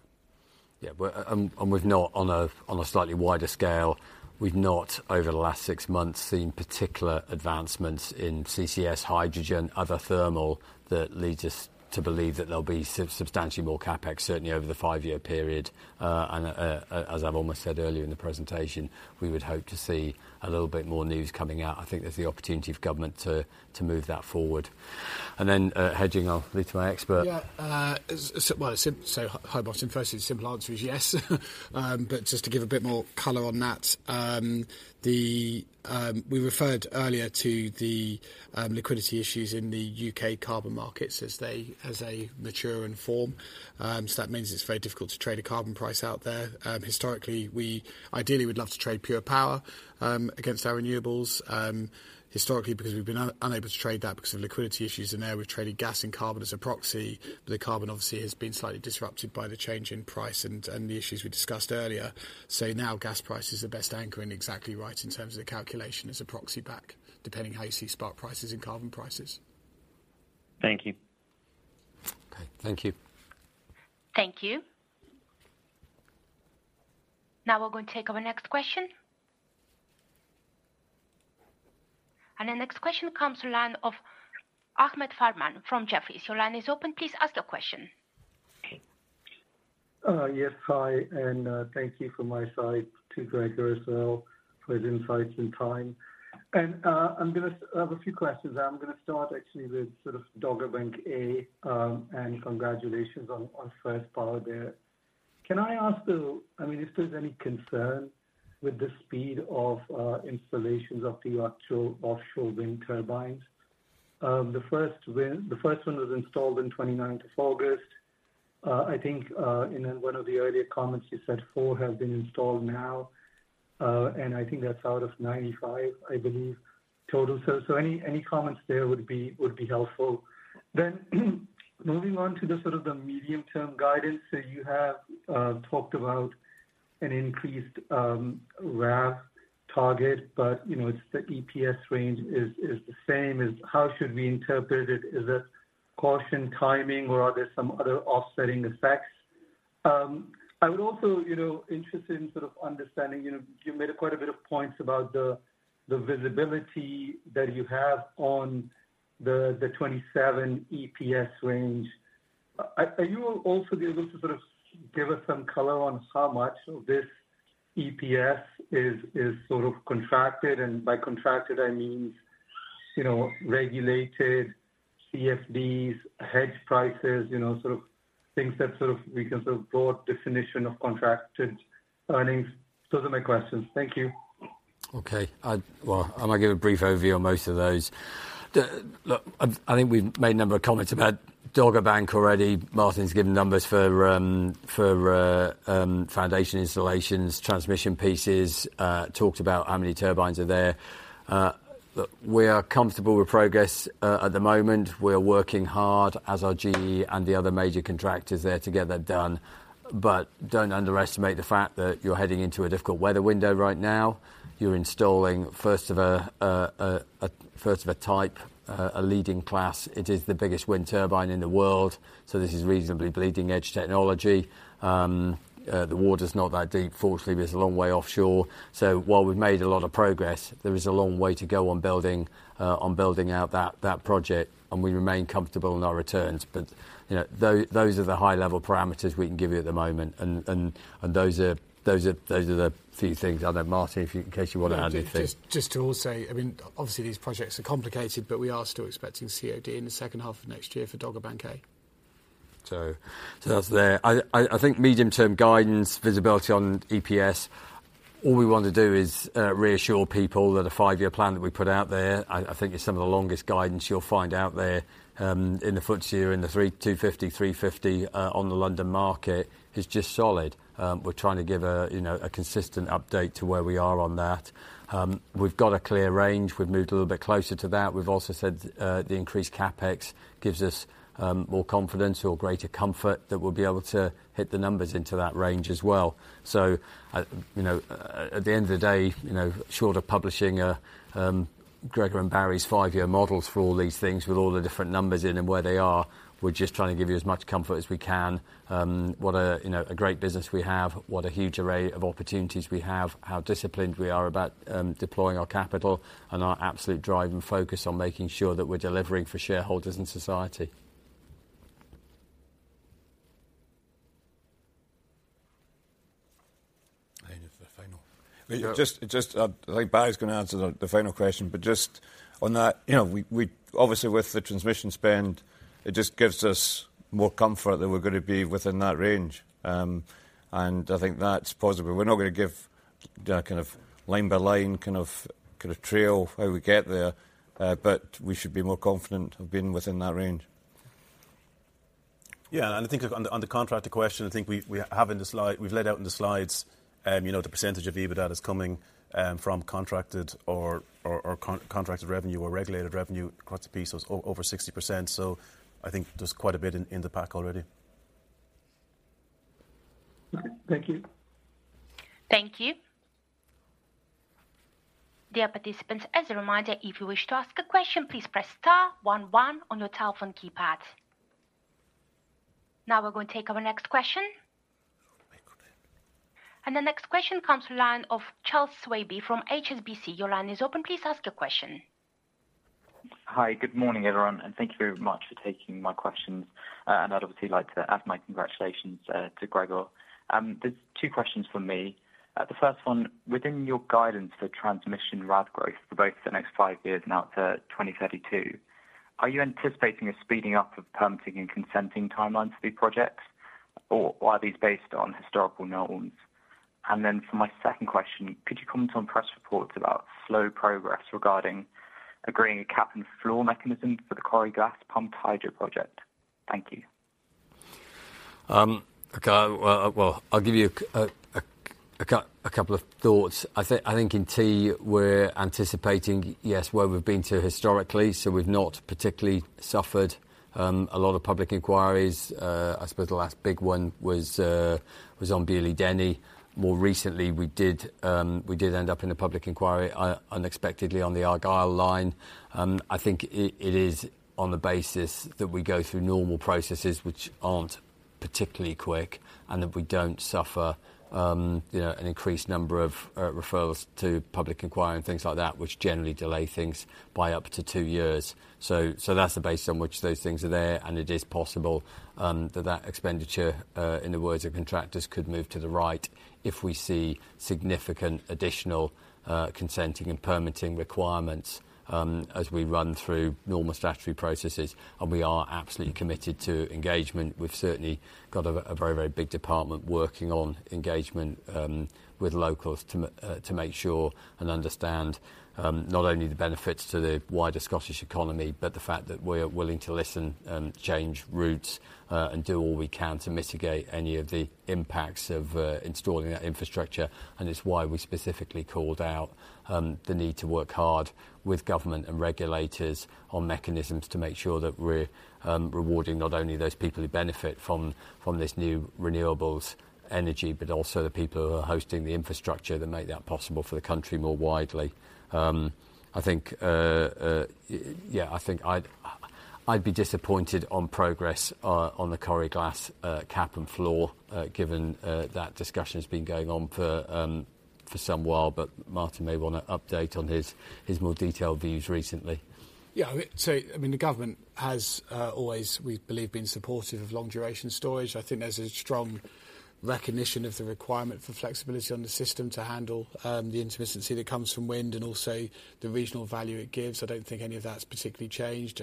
Yeah. But on a slightly wider scale, we've not, over the last six months, seen particular advancements in CCS, hydrogen, other thermal that lead us to believe that there'll be substantially more CapEx, certainly over the five-year period. And as I've almost said earlier in the presentation, we would hope to see a little bit more news coming out. I think there's the opportunity for government to move that forward. And then hedging, I'll leave to my expert.
Yeah. Well, so Hobart's in first. His simple answer is yes. But just to give a bit more color on that, we referred earlier to the liquidity issues in the UK carbon markets as a mature and form. So that means it's very difficult to trade a carbon price out there. Historically, we ideally would love to trade pure power against our renewables. Historically, because we've been unable to trade that because of liquidity issues in there, we've traded gas and carbon as a proxy. But the carbon obviously has been slightly disrupted by the change in price and the issues we discussed earlier. So now gas price is the best anchoring exactly right in terms of the calculation as a proxy back, depending how you see spark prices and carbon prices.
Thank you.
Okay. Thank you.
Thank you. Now we're going to take our next question. And the next question comes from Ahmed Farman from Jefferies. Your line is open. Please ask your question.
Yes, hi. And thank you from my side to Gregor as well for his insights and time. And I have a few questions. I'm going to start actually with sort of Dogger Bank A. And congratulations on First Power there. Can I ask though, I mean, if there's any concern with the speed of installations of the actual offshore wind turbines? The first one was installed on 29th of August. I think in one of the earlier comments, you said four have been installed now. And I think that's out of 95, I believe, total. So any comments there would be helpful. Then moving on to sort of the medium-term guidance. So you have talked about an increased RAV target, but it's the EPS range is the same. How should we interpret it? Is it caution timing, or are there some other offsetting effects? I would also be interested in sort of understanding you made quite a bit of points about the visibility that you have on the 27 EPS range. Are you also going to sort of give us some color on how much of this EPS is sort of contracted? And by contracted, I mean regulated, CFDs, hedge prices, sort of things that sort of we can sort of broad definition of contracted earnings. Those are my questions. Thank you.
Okay. Well, I might give a brief overview on most of those. Look, I think we've made a number of comments about Dogger Bank already. Martin's given numbers for foundation installations, transition pieces, talked about how many turbines are there. Look, we are comfortable with progress at the moment. We are working hard as are GE and the other major contractors there to get that done. But don't underestimate the fact that you're heading into a difficult weather window right now. You're installing, first of a type, a leading class. It is the biggest wind turbine in the world. So this is reasonably bleeding-edge technology. The water's not that deep. Fortunately, there's a long way offshore. So while we've made a lot of progress, there is a long way to go on building out that project. And we remain comfortable in our returns. Those are the high-level parameters we can give you at the moment. Those are the few things. I don't know, Martin, in case you want to add anything.
Just to also say, I mean, obviously, these projects are complicated, but we are still expecting COD in the second half of next year for Dogger Bank A.
That's there. I think medium-term guidance, visibility on EPS, all we want to do is reassure people that a five-year plan that we put out there, I think it's some of the longest guidance you'll find out there in the future in the 250-350 on the London market, is just solid. We're trying to give a consistent update to where we are on that. We've got a clear range. We've moved a little bit closer to that. We've also said the increased CapEx gives us more confidence or greater comfort that we'll be able to hit the numbers into that range as well. So at the end of the day, short of publishing Gregor and Barry's five-year models for all these things with all the different numbers in and where they are, we're just trying to give you as much comfort as we can. What a great business we have, what a huge array of opportunities we have, how disciplined we are about deploying our capital and our absolute drive and focus on making sure that we're delivering for shareholders and society. I think just I think Barry's going to answer the final question. But just on that, obviously, with the transmission spend, it just gives us more comfort that we're going to be within that range. And I think that's possible. We're not going to give kind of line-by-line kind of trail how we get there. But we should be more confident of being within that range.
Yeah. And I think on the contracted question, I think we have in the slide we've laid out in the slides the percentage of EBITDA that's coming from contracted or contracted revenue or regulated revenue across the piece was over 60%. So I think there's quite a bit in the pack already.
Okay. Thank you.
Thank you. Dear participants, as a reminder, if you wish to ask a question, please press star one one on your telephone keypad. Now we're going to take our next question. And the next question comes from Charles Swabey from HSBC. Your line is open. Please ask your question.
Hi. Good morning, everyone. And thank you very much for taking my questions. And I'd obviously like to add my congratulations to Gregor. There's two questions for me. The first one, within your guidance for transmission RAV growth for both the next five years and out to 2032, are you anticipating a speeding up of permitting and consenting timelines for these projects, or are these based on historical norms? And then for my second question, could you comment on press reports about slow progress regarding agreeing a cap and floor mechanism for the Coire Glas pumped hydro project? Thank you.
Okay. Well, I'll give you a couple of thoughts. I think in T, we're anticipating, yes, where we've been to historically. So we've not particularly suffered a lot of public inquiries. I suppose the last big one was on Beauly-Denny. More recently, we did end up in a public inquiry unexpectedly on the Argyll line. I think it is on the basis that we go through normal processes, which aren't particularly quick, and that we don't suffer an increased number of referrals to public inquiry and things like that, which generally delay things by up to two years. So that's the basis on which those things are there. And it is possible that that expenditure, in the words of contractors, could move to the right if we see significant additional consenting and permitting requirements as we run through normal statutory processes. And we are absolutely committed to engagement. We've certainly got a very, very big department working on engagement with locals to make sure and understand not only the benefits to the wider Scottish economy, but the fact that we're willing to listen, change routes, and do all we can to mitigate any of the impacts of installing that infrastructure. And it's why we specifically called out the need to work hard with government and regulators on mechanisms to make sure that we're rewarding not only those people who benefit from this new renewable energy, but also the people who are hosting the infrastructure that make that possible for the country more widely. Yeah. I think I'd be disappointed on progress on the Coire Glas cap and floor, given that discussion has been going on for some while. But Martin may want to update on his more detailed views recently.
Yeah. So I mean, the government has always, we believe, been supportive of long-duration storage. I think there's a strong recognition of the requirement for flexibility on the system to handle the intermittency that comes from wind and also the regional value it gives. I don't think any of that's particularly changed.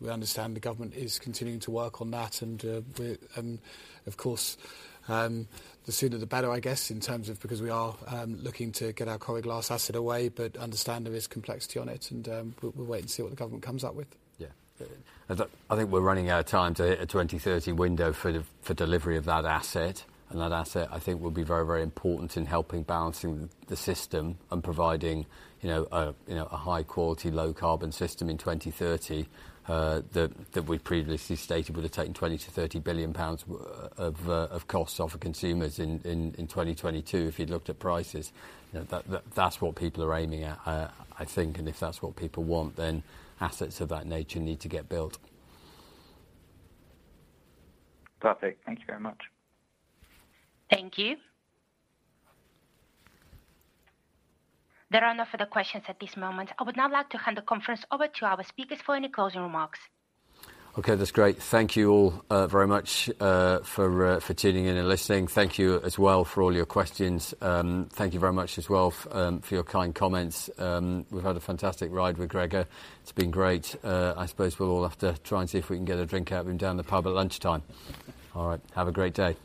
We understand the government is continuing to work on that. And of course, the sooner the better, I guess, in terms of because we are looking to get our Coire Glas asset away, but understand there is complexity on it. And we'll wait and see what the government comes up with. Yeah. I think we're running out of time to hit a 2030 window for delivery of that asset. And that asset, I think, will be very, very important in helping balance the system and providing a high-quality, low-carbon system in 2030 that we previously stated would have taken GBP20-GBP30 billion of costs off of consumers in 2022 if you'd looked at prices. That's what people are aiming at, I think. And if that's what people want, then assets of that nature need to get built.
Perfect. Thank you very much.
Thank you. There are no further questions at this moment. I would now like to hand the conference over to our speakers for any closing remarks.
Okay. That's great. Thank you all very much for tuning in and listening. Thank you as well for all your questions. Thank you very much as well for your kind comments. We've had a fantastic ride with Gregor. It's been great. I suppose we'll all have to try and see if we can get a drink out of him down the pub at lunchtime. All right. Have a great day.